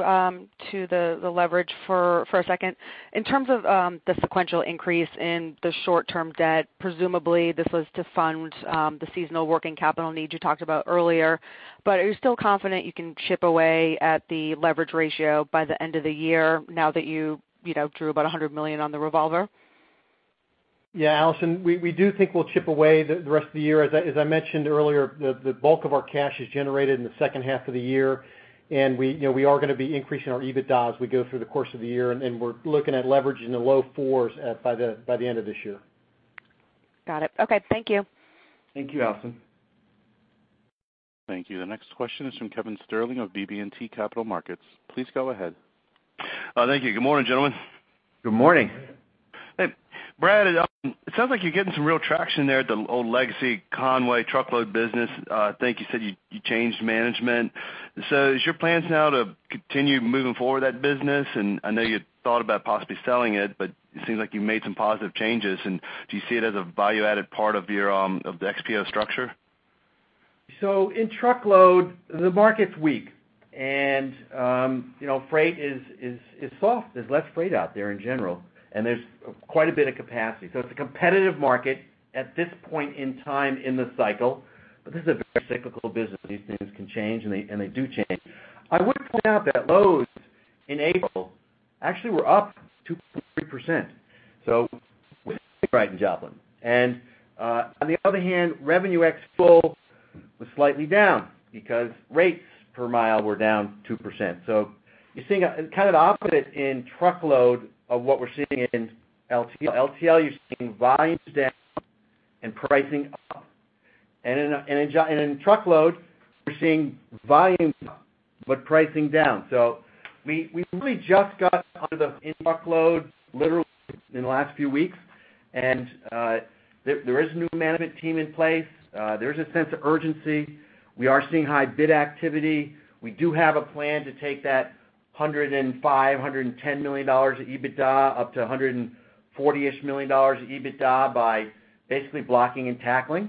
Speaker 10: the leverage for a second. In terms of the sequential increase in the short-term debt, presumably, this was to fund the seasonal working capital needs you talked about earlier. But are you still confident you can chip away at the leverage ratio by the end of the year now that you, you know, drew about $100 million on the revolver?
Speaker 2: Yeah, Allison, we do think we'll chip away the rest of the year. As I mentioned earlier, the bulk of our cash is generated in the second half of the year, and you know, we are going to be increasing our EBITDA as we go through the course of the year, and then we're looking at leveraging the low fours by the end of this year.
Speaker 10: Got it. Okay. Thank you.
Speaker 2: Thank you, Allison.
Speaker 1: Thank you. The next question is from Kevin Sterling of BB&T Capital Markets. Please go ahead.
Speaker 11: Thank you. Good morning, gentlemen.
Speaker 2: Good morning.
Speaker 11: Brad, it sounds like you're getting some real traction there at the old legacy Con-way truckload business. I think you said you changed management. So is your plans now to continue moving forward that business? And I know you thought about possibly selling it, but it seems like you made some positive changes, and do you see it as a value-added part of your of the XPO structure?
Speaker 2: So in truckload, the market's weak, and, you know, freight is soft. There's less freight out there in general, and there's quite a bit of capacity. So it's a competitive market at this point in time in the cycle, but this is a very cyclical business. These things can change, and they do change. I would point out that loads in April actually were up 2.3%, so with freight in Joplin. And on the other hand, revenue expo was slightly down because rates per mile were down 2%. So you're seeing a kind of the opposite in truckload of what we're seeing in LTL. LTL, you're seeing volumes down and pricing up. And in truckload, we're seeing volumes up, but pricing down. So we really just got out of the woods in truckload, literally in the last few weeks. There is a new management team in place. There's a sense of urgency. We are seeing high bid activity. We do have a plan to take that $105-$110 million of EBITDA up to $140-ish million of EBITDA by basically blocking and tackling.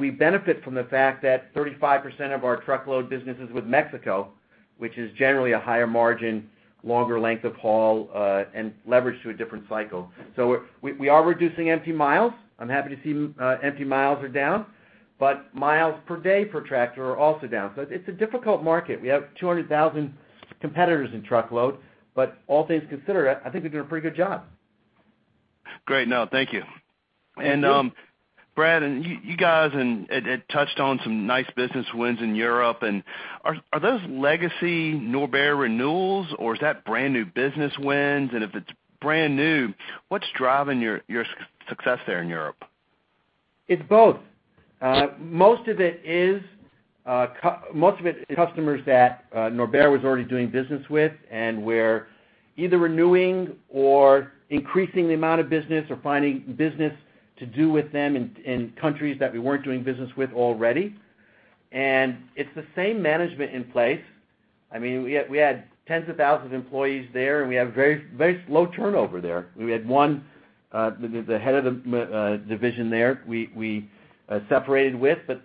Speaker 2: We benefit from the fact that 35% of our truckload business is with Mexico, which is generally a higher margin, longer length of haul, and leverage to a different cycle. So we are reducing empty miles. I'm happy to see empty miles are down, but miles per day per tractor are also down. So it's a difficult market. We have 200,000 competitors in truckload, but all things considered, I think we did a pretty good job.
Speaker 11: Great. No, thank you.
Speaker 2: Thank you.
Speaker 11: And, Brad, and you guys, it touched on some nice business wins in Europe. And are those legacy Norbert renewals, or is that brand new business wins? And if it's brand new, what's driving your success there in Europe?
Speaker 2: It's both. Most of it is customers that Norbert was already doing business with, and we're either renewing or increasing the amount of business or finding business to do with them in countries that we weren't doing business with already. And it's the same management in place. I mean, we had tens of thousands of employees there, and we have very, very slow turnover there. We had one, the head of the division there, we separated with, but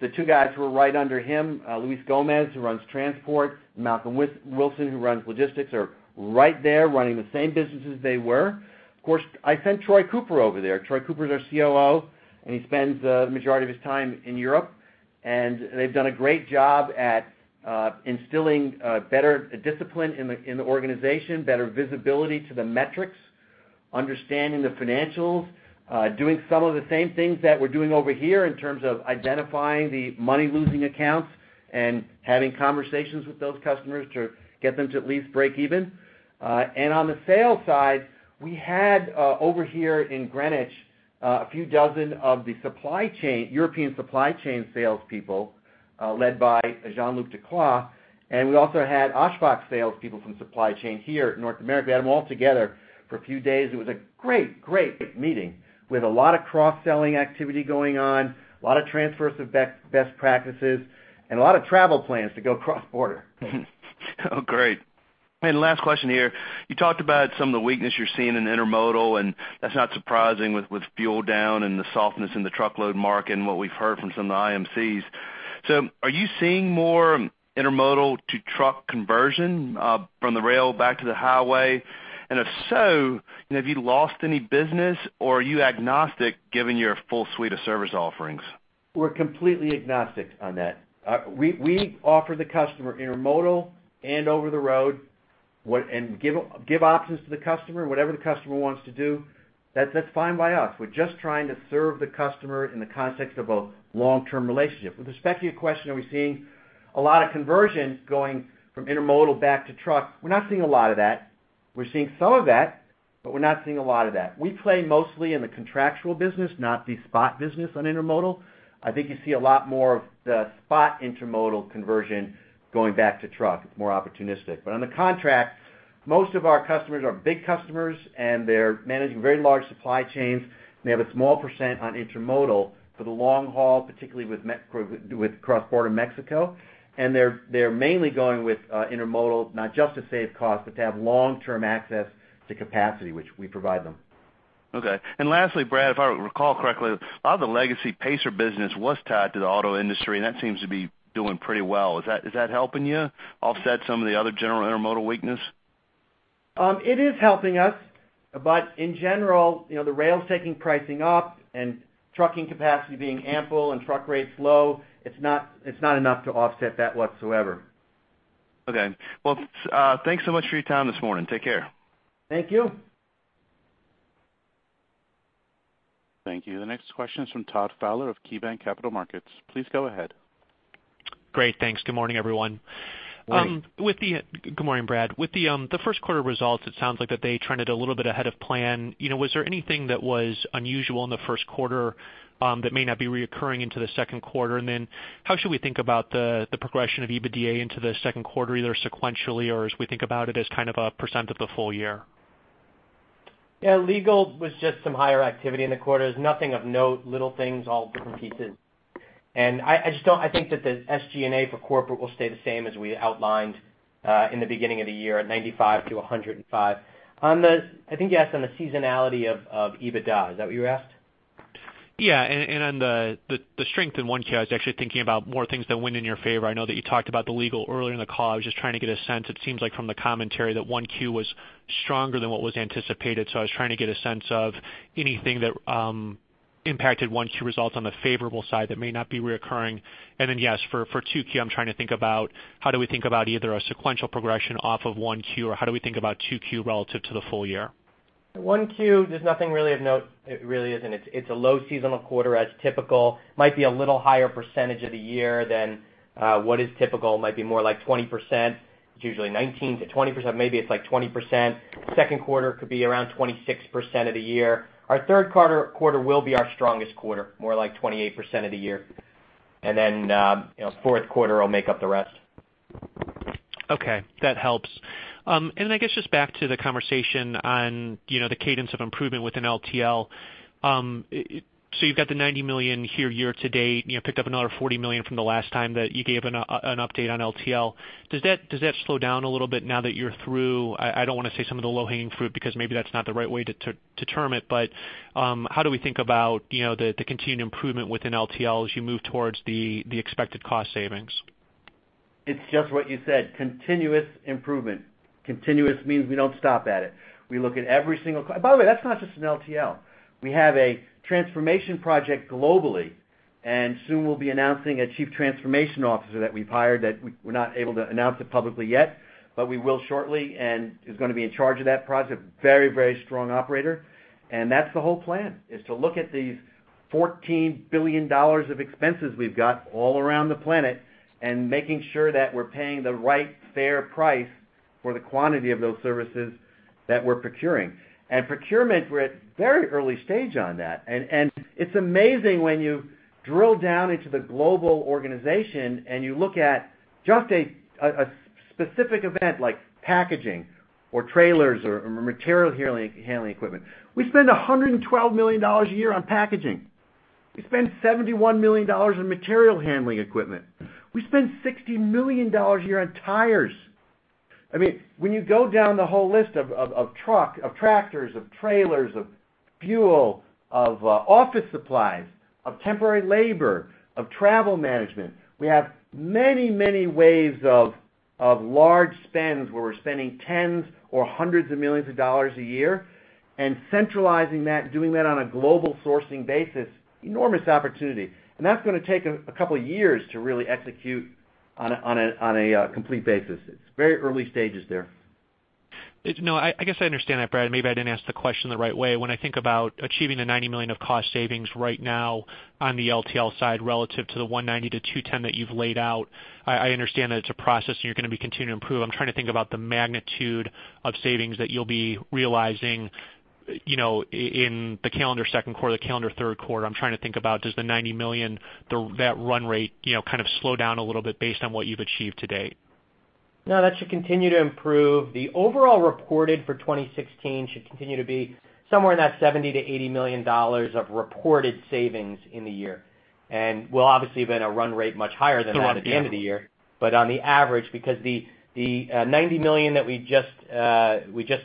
Speaker 2: the two guys who were right under him, Luis Gomez, who runs transport, Malcolm Wilson, who runs logistics, are right there running the same businesses they were. Of course, I sent Troy Cooper over there. Troy Cooper is our COO, and he spends the majority of his time in Europe, and they've done a great job at instilling better discipline in the organization, better visibility to the metrics, understanding the financials, doing some of the same things that we're doing over here in terms of identifying the money-losing accounts and having conversations with those customers to get them to at least break even. And on the sales side, we had over here in Greenwich a few dozen of the European supply chain salespeople led by Jean-Luc Decloedt. And we also had Oshkosh salespeople from supply chain here in North America. We had them all together for a few days. It was a great, great meeting. We had a lot of cross-selling activity going on, a lot of transfers of best practices, and a lot of travel plans to go cross-border.
Speaker 11: Oh, great. Last question here. You talked about some of the weakness you're seeing in intermodal, and that's not surprising with fuel down and the softness in the truckload market and what we've heard from some of the IMCs. So are you seeing more intermodal to truck conversion from the rail back to the highway? And if so, you know, have you lost any business, or are you agnostic, given your full suite of service offerings?
Speaker 2: We're completely agnostic on that. We offer the customer intermodal and over the road, and give options to the customer, whatever the customer wants to do, that's fine by us. We're just trying to serve the customer in the context of a long-term relationship. With respect to your question, are we seeing a lot of conversions going from intermodal back to truck? We're not seeing a lot of that. We're seeing some of that, but we're not seeing a lot of that. We play mostly in the contractual business, not the spot business on intermodal. I think you see a lot more of the spot intermodal conversion going back to truck. It's more opportunistic. But on the contract, most of our customers are big customers, and they're managing very large supply chains, and they have a small percent on intermodal for the long haul, particularly with cross-border Mexico. And they're mainly going with intermodal, not just to save cost, but to have long-term access to capacity, which we provide them.
Speaker 11: Okay. And lastly, Brad, if I recall correctly, a lot of the legacy Pacer business was tied to the auto industry, and that seems to be doing pretty well. Is that, is that helping you offset some of the other general intermodal weakness?
Speaker 2: It is helping us, but in general, you know, the rail is taking pricing up, and trucking capacity being ample and truck rates low, it's not, it's not enough to offset that whatsoever.
Speaker 11: Okay. Well, thanks so much for your time this morning. Take care.
Speaker 2: Thank you.
Speaker 1: Thank you. The next question is from Todd Fowler of KeyBanc Capital Markets. Please go ahead.
Speaker 12: Great. Thanks. Good morning, everyone.
Speaker 2: Morning.
Speaker 12: Good morning, Brad. With the first quarter results, it sounds like they trended a little bit ahead of plan. You know, was there anything that was unusual in the first quarter that may not be recurring into the second quarter? And then how should we think about the progression of EBITDA into the second quarter, either sequentially or as we think about it as kind of a % of the full year?
Speaker 2: Yeah, legal was just some higher activity in the quarter. It was nothing of note, little things, all different pieces. I just don't—I think that the SG&A for corporate will stay the same as we outlined in the beginning of the year, at $95-$105. On the, I think you asked on the seasonality of EBITDA. Is that what you asked?
Speaker 12: Yeah, on the strength in 1Q, I was actually thinking about more things that went in your favor. I know that you talked about the legal earlier in the call. I was just trying to get a sense. It seems like from the commentary that 1Q was stronger than what was anticipated, so I was trying to get a sense of anything that impacted 1Q results on the favorable side that may not be recurring. And then, yes, for 2Q, I'm trying to think about how do we think about either a sequential progression off of 1Q or how do we think about 2Q relative to the full year?
Speaker 2: Q1, there's nothing really of note, it really isn't. It's a low seasonal quarter, as typical. Might be a little higher percentage of the year than what is typical. Might be more like 20%. It's usually 19%-20%. Maybe it's like 20%. Second quarter could be around 26% of the year. Our third quarter will be our strongest quarter, more like 28% of the year. And then, you know, fourth quarter will make up the rest.
Speaker 12: Okay. That helps. And then I guess just back to the conversation on, you know, the cadence of improvement within LTL. So you've got the $90 million here year to date, and you picked up another $40 million from the last time that you gave an update on LTL. Does that slow down a little bit now that you're through? I don't want to say some of the low-hanging fruit, because maybe that's not the right way to term it, but how do we think about, you know, the continued improvement within LTL as you move towards the expected cost savings?
Speaker 2: It's just what you said, continuous improvement. Continuous means we don't stop at it. We look at every single. By the way, that's not just in LTL. We have a transformation project globally, and soon we'll be announcing a Chief Transformation Officer that we've hired, that we're not able to announce it publicly yet, but we will shortly, and is going to be in charge of that project. Very, very strong operator. And that's the whole plan, is to look at these $14 billion of expenses we've got all around the planet and making sure that we're paying the right fair price for the quantity of those services that we're procuring. And procurement, we're at very early stage on that. It's amazing when you drill down into the global organization and you look at just a specific event like packaging or trailers or material handling equipment. We spend $112 million a year on packaging. We spend $71 million on material handling equipment. We spend $60 million a year on tires. I mean, when you go down the whole list of trucks, of tractors, of trailers, of fuel, of office supplies, of temporary labor, of travel management, we have many ways of large spends, where we're spending tens or hundreds of millions of dollars a year. And centralizing that, doing that on a global sourcing basis, enormous opportunity. And that's going to take a couple of years to really execute on a complete basis. It's very early stages there.
Speaker 12: No, I, I guess I understand that, Brad. Maybe I didn't ask the question the right way. When I think about achieving the $90 million of cost savings right now on the LTL side relative to the $190 million-$210 million that you've laid out, I, I understand that it's a process, and you're going to be continuing to improve. I'm trying to think about the magnitude of savings that you'll be realizing, you know, in the calendar second quarter, the calendar third quarter. I'm trying to think about, does the $90 million, the-- that run rate, you know, kind of slow down a little bit based on what you've achieved to date?...
Speaker 4: No, that should continue to improve. The overall reported for 2016 should continue to be somewhere in that $70 million-$80 million of reported savings in the year. And we'll obviously be at a run rate much higher than that at the end of the year. But on the average, because the, the, $90 million that we just, we just,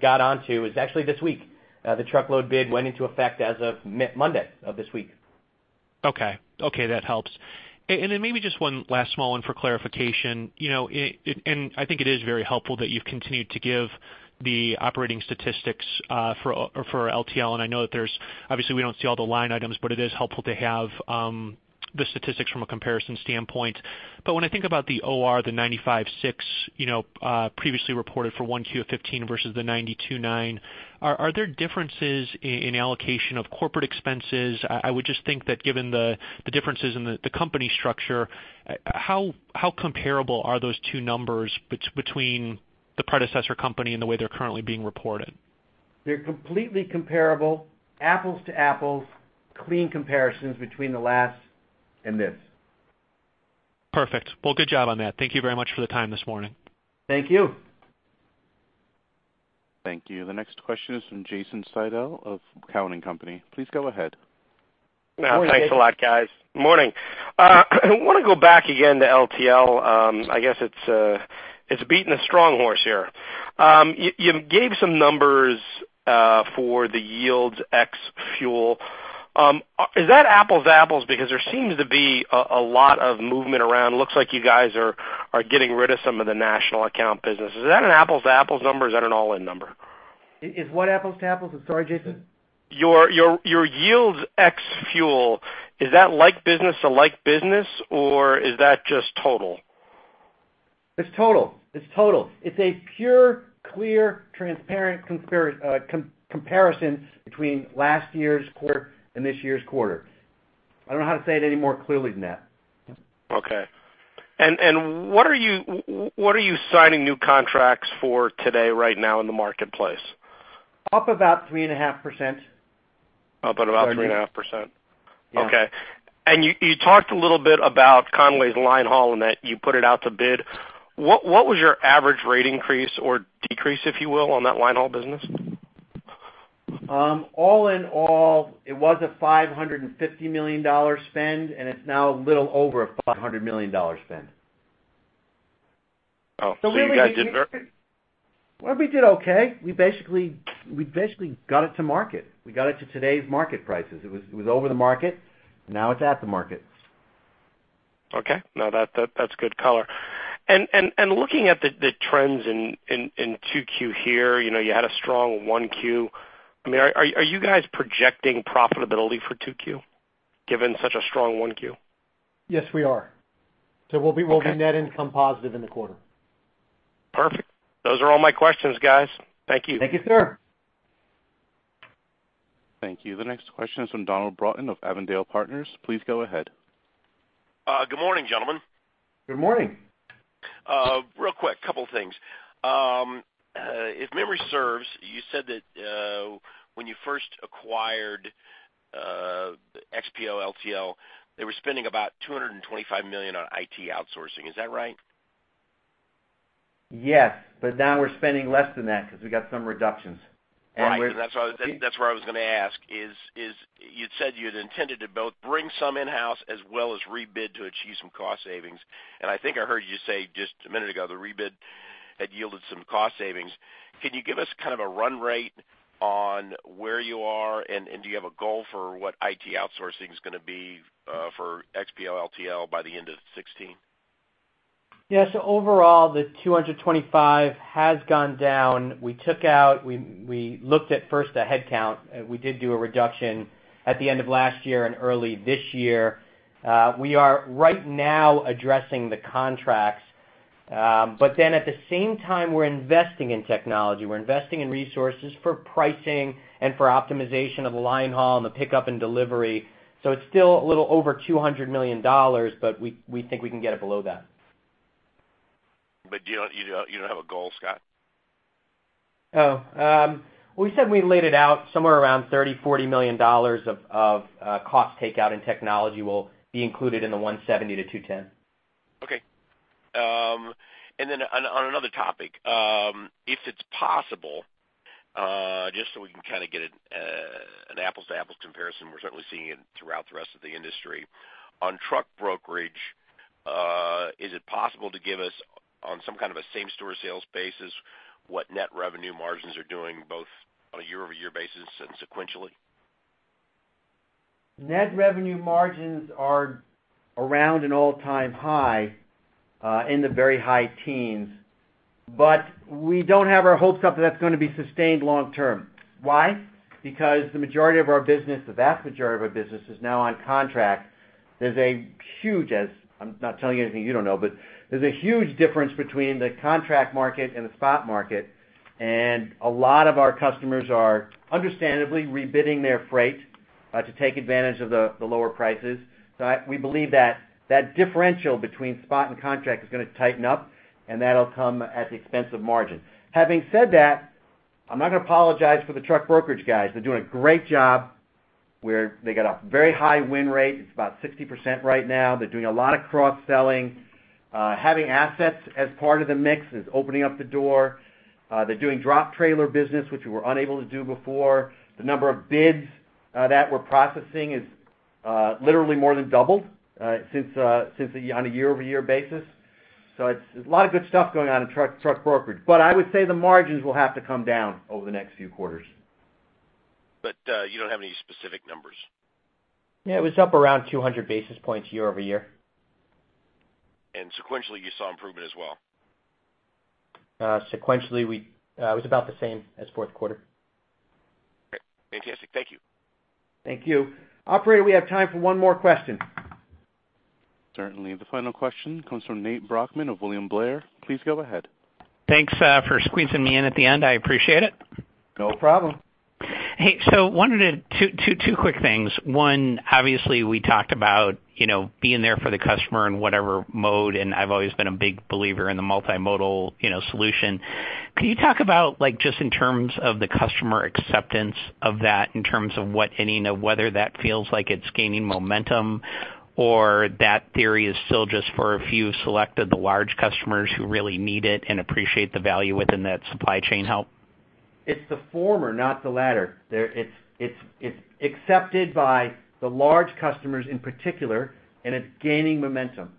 Speaker 4: got onto is actually this week. The truckload bid went into effect as of mid Monday of this week.
Speaker 12: Okay. Okay, that helps. And then maybe just one last small one for clarification, you know, it and I think it is very helpful that you've continued to give the operating statistics for LTL, and I know that there's—obviously, we don't see all the line items, but it is helpful to have the statistics from a comparison standpoint. But when I think about the OR, the 95.6, you know, previously reported for 1Q of 2015 versus the 92.9, are there differences in allocation of corporate expenses? I would just think that given the differences in the company structure, how comparable are those two numbers between the predecessor company and the way they're currently being reported?
Speaker 2: They're completely comparable, apples to apples, clean comparisons between the last and this.
Speaker 12: Perfect. Well, good job on that. Thank you very much for the time this morning.
Speaker 2: Thank you.
Speaker 1: Thank you. The next question is from Jason Seidel of Cowen and Company. Please go ahead.
Speaker 13: Now, thanks a lot, guys. Morning. I want to go back again to LTL. I guess it's beating a strong horse here. You gave some numbers for the yields ex fuel. Is that apples to apples? Because there seems to be a lot of movement around. It looks like you guys are getting rid of some of the national account business. Is that an apples-to-apples number, or is that an all-in number?
Speaker 2: Is what apples to apples? I'm sorry, Jason.
Speaker 13: Your yields ex fuel, is that like business to like business, or is that just total?
Speaker 2: It's total. It's total. It's a pure, clear, transparent comparison between last year's quarter and this year's quarter. I don't know how to say it any more clearly than that.
Speaker 13: Okay. What are you signing new contracts for today, right now in the marketplace?
Speaker 2: Up about 3.5%.
Speaker 13: Up about 3.5%?
Speaker 2: Yeah.
Speaker 13: Okay. And you talked a little bit about Con-way's line haul and that you put it out to bid. What was your average rate increase or decrease, if you will, on that line haul business?
Speaker 2: All in all, it was a $550 million spend, and it's now a little over a $500 million spend.
Speaker 13: Oh, so you guys did better?
Speaker 2: Well, we did okay. We basically, we basically got it to market. We got it to today's market prices. It was, it was over the market. Now it's at the market.
Speaker 13: Okay. No, that's good color. And looking at the trends in 2Q here, you know, you had a strong 1Q. I mean, are you guys projecting profitability for 2Q, given such a strong 1Q?
Speaker 2: Yes, we are.
Speaker 13: Okay.
Speaker 2: So we'll be net income positive in the quarter.
Speaker 13: Perfect. Those are all my questions, guys. Thank you.
Speaker 2: Thank you, sir.
Speaker 1: Thank you. The next question is from Donald Broughton of Avondale Partners. Please go ahead.
Speaker 14: Good morning, gentlemen.
Speaker 2: Good morning.
Speaker 14: Real quick, couple things. If memory serves, you said that when you first acquired XPO LTL, they were spending about $225 million on IT outsourcing. Is that right?
Speaker 2: Yes, but now we're spending less than that because we got some reductions.
Speaker 14: Right.
Speaker 2: And we're-
Speaker 4: That's why, that's where I was going to ask is, is you'd said you'd intended to both bring some in-house as well as rebid to achieve some cost savings, and I think I heard you say just a minute ago, the rebid had yielded some cost savings. Can you give us kind of a run rate on where you are, and do you have a goal for what IT outsourcing is going to be for XPO LTL by the end of 2016? Yes. So overall, the 225 has gone down. We took out, we looked at first the headcount. We did do a reduction at the end of last year and early this year. We are right now addressing the contracts. But then at the same time, we're investing in technology. We're investing in resources for pricing and for optimization of line haul and the pickup and delivery. So it's still a little over $200 million, but we think we can get it below that.
Speaker 14: But you don't have a goal, Scott?
Speaker 4: Oh, we said we laid it out somewhere around $30-$40 million of cost takeout and technology will be included in the $170-$210.
Speaker 14: Okay. And then on, on another topic, if it's possible, just so we can kind of get an, an apples-to-apples comparison, we're certainly seeing it throughout the rest of the industry. On truck brokerage, is it possible to give us, on some kind of a same-store sales basis, what net revenue margins are doing, both on a year-over-year basis and sequentially?
Speaker 2: Net revenue margins are around an all-time high in the very high teens, but we don't have our hopes up that's going to be sustained long term. Why? Because the majority of our business, the vast majority of our business, is now on contract. There's a huge, as I'm not telling you anything you don't know, but there's a huge difference between the contract market and the spot market, and a lot of our customers are understandably rebidding their freight to take advantage of the lower prices. So we believe that that differential between spot and contract is going to tighten up, and that'll come at the expense of margin. Having said that, I'm not going to apologize for the truck brokerage guys. They're doing a great job where they got a very high win rate. It's about 60% right now. They're doing a lot of cross-selling. Having assets as part of the mix is opening up the door. They're doing drop trailer business, which we were unable to do before. The number of bids that we're processing is literally more than doubled on a year-over-year basis. So it's a lot of good stuff going on in truck brokerage, but I would say the margins will have to come down over the next few quarters.
Speaker 14: But, you don't have any specific numbers?
Speaker 2: Yeah, it was up around 200 basis points year-over-year.
Speaker 14: Sequentially, you saw improvement as well?
Speaker 2: Sequentially, it was about the same as fourth quarter.
Speaker 14: Great. Fantastic. Thank you.
Speaker 2: Thank you. Operator, we have time for one more question.
Speaker 1: Certainly. The final question comes from Nate Brochmann of William Blair. Please go ahead.
Speaker 15: Thanks, for squeezing me in at the end. I appreciate it.
Speaker 2: No problem.
Speaker 15: Hey, so wanted to—2, 2 quick things. One, obviously, we talked about, you know, being there for the customer in whatever mode, and I've always been a big believer in the multimodal, you know, solution. Can you talk about, like, just in terms of the customer acceptance of that, in terms of what any, you know, whether that feels like it's gaining momentum, or that theory is still just for a few selected large customers who really need it and appreciate the value within that supply chain help?
Speaker 2: It's the former, not the latter. It's accepted by the large customers in particular, and it's gaining momentum.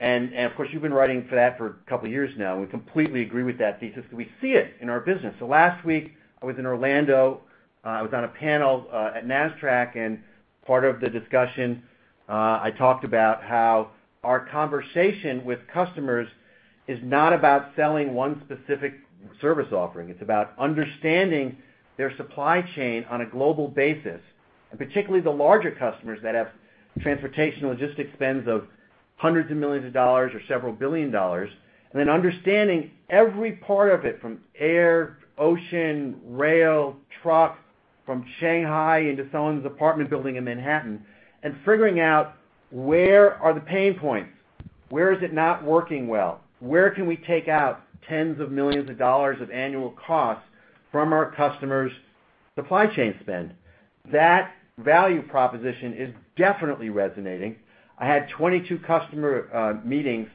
Speaker 2: And of course, you've been writing for that for a couple of years now. We completely agree with that thesis, and we see it in our business. So last week, I was in Orlando. I was on a panel at NASSTRAC, and part of the discussion, I talked about how our conversation with customers is not about selling one specific service offering. It's about understanding their supply chain on a global basis, and particularly the larger customers that have transportation logistics spends of hundreds of millions of dollars or several billion dollars, and then understanding every part of it, from air, ocean, rail, truck, from Shanghai into someone's apartment building in Manhattan, and figuring out where are the pain points? Where is it not working well? Where can we take out $ tens of millions of annual costs from our customers' supply chain spend? That value proposition is definitely resonating. I had 22 customer meetings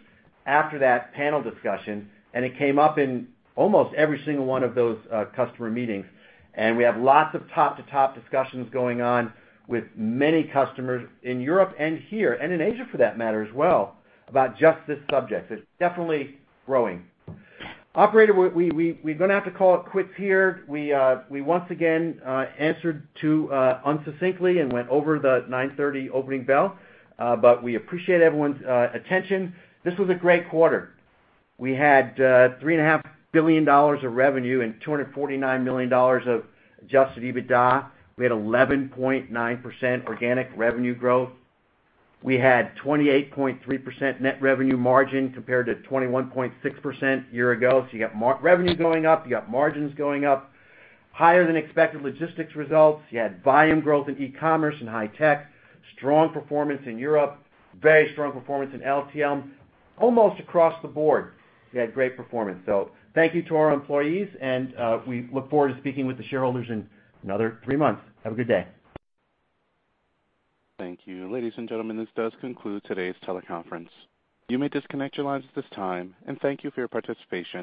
Speaker 2: after that panel discussion, and it came up in almost every single one of those customer meetings. And we have lots of top-to-top discussions going on with many customers in Europe and here, and in Asia, for that matter as well, about just this subject. It's definitely growing. Operator, we're going to have to call it quits here. We once again answered as much as possible and went over the 9:30 A.M. opening bell, but we appreciate everyone's attention. This was a great quarter. We had $3.5 billion of revenue and $249 million of adjusted EBITDA. We had 11.9% organic revenue growth. We had 28.3% net revenue margin, compared to 21.6% year ago. So you got revenue going up, you got margins going up, higher than expected logistics results. You had volume growth in e-commerce and high tech, strong performance in Europe, very strong performance in LTL. Almost across the board, we had great performance. So thank you to our employees, and we look forward to speaking with the shareholders in another three months. Have a good day.
Speaker 1: Thank you. Ladies and gentlemen, this does conclude today's teleconference. You may disconnect your lines at this time, and thank you for your participation.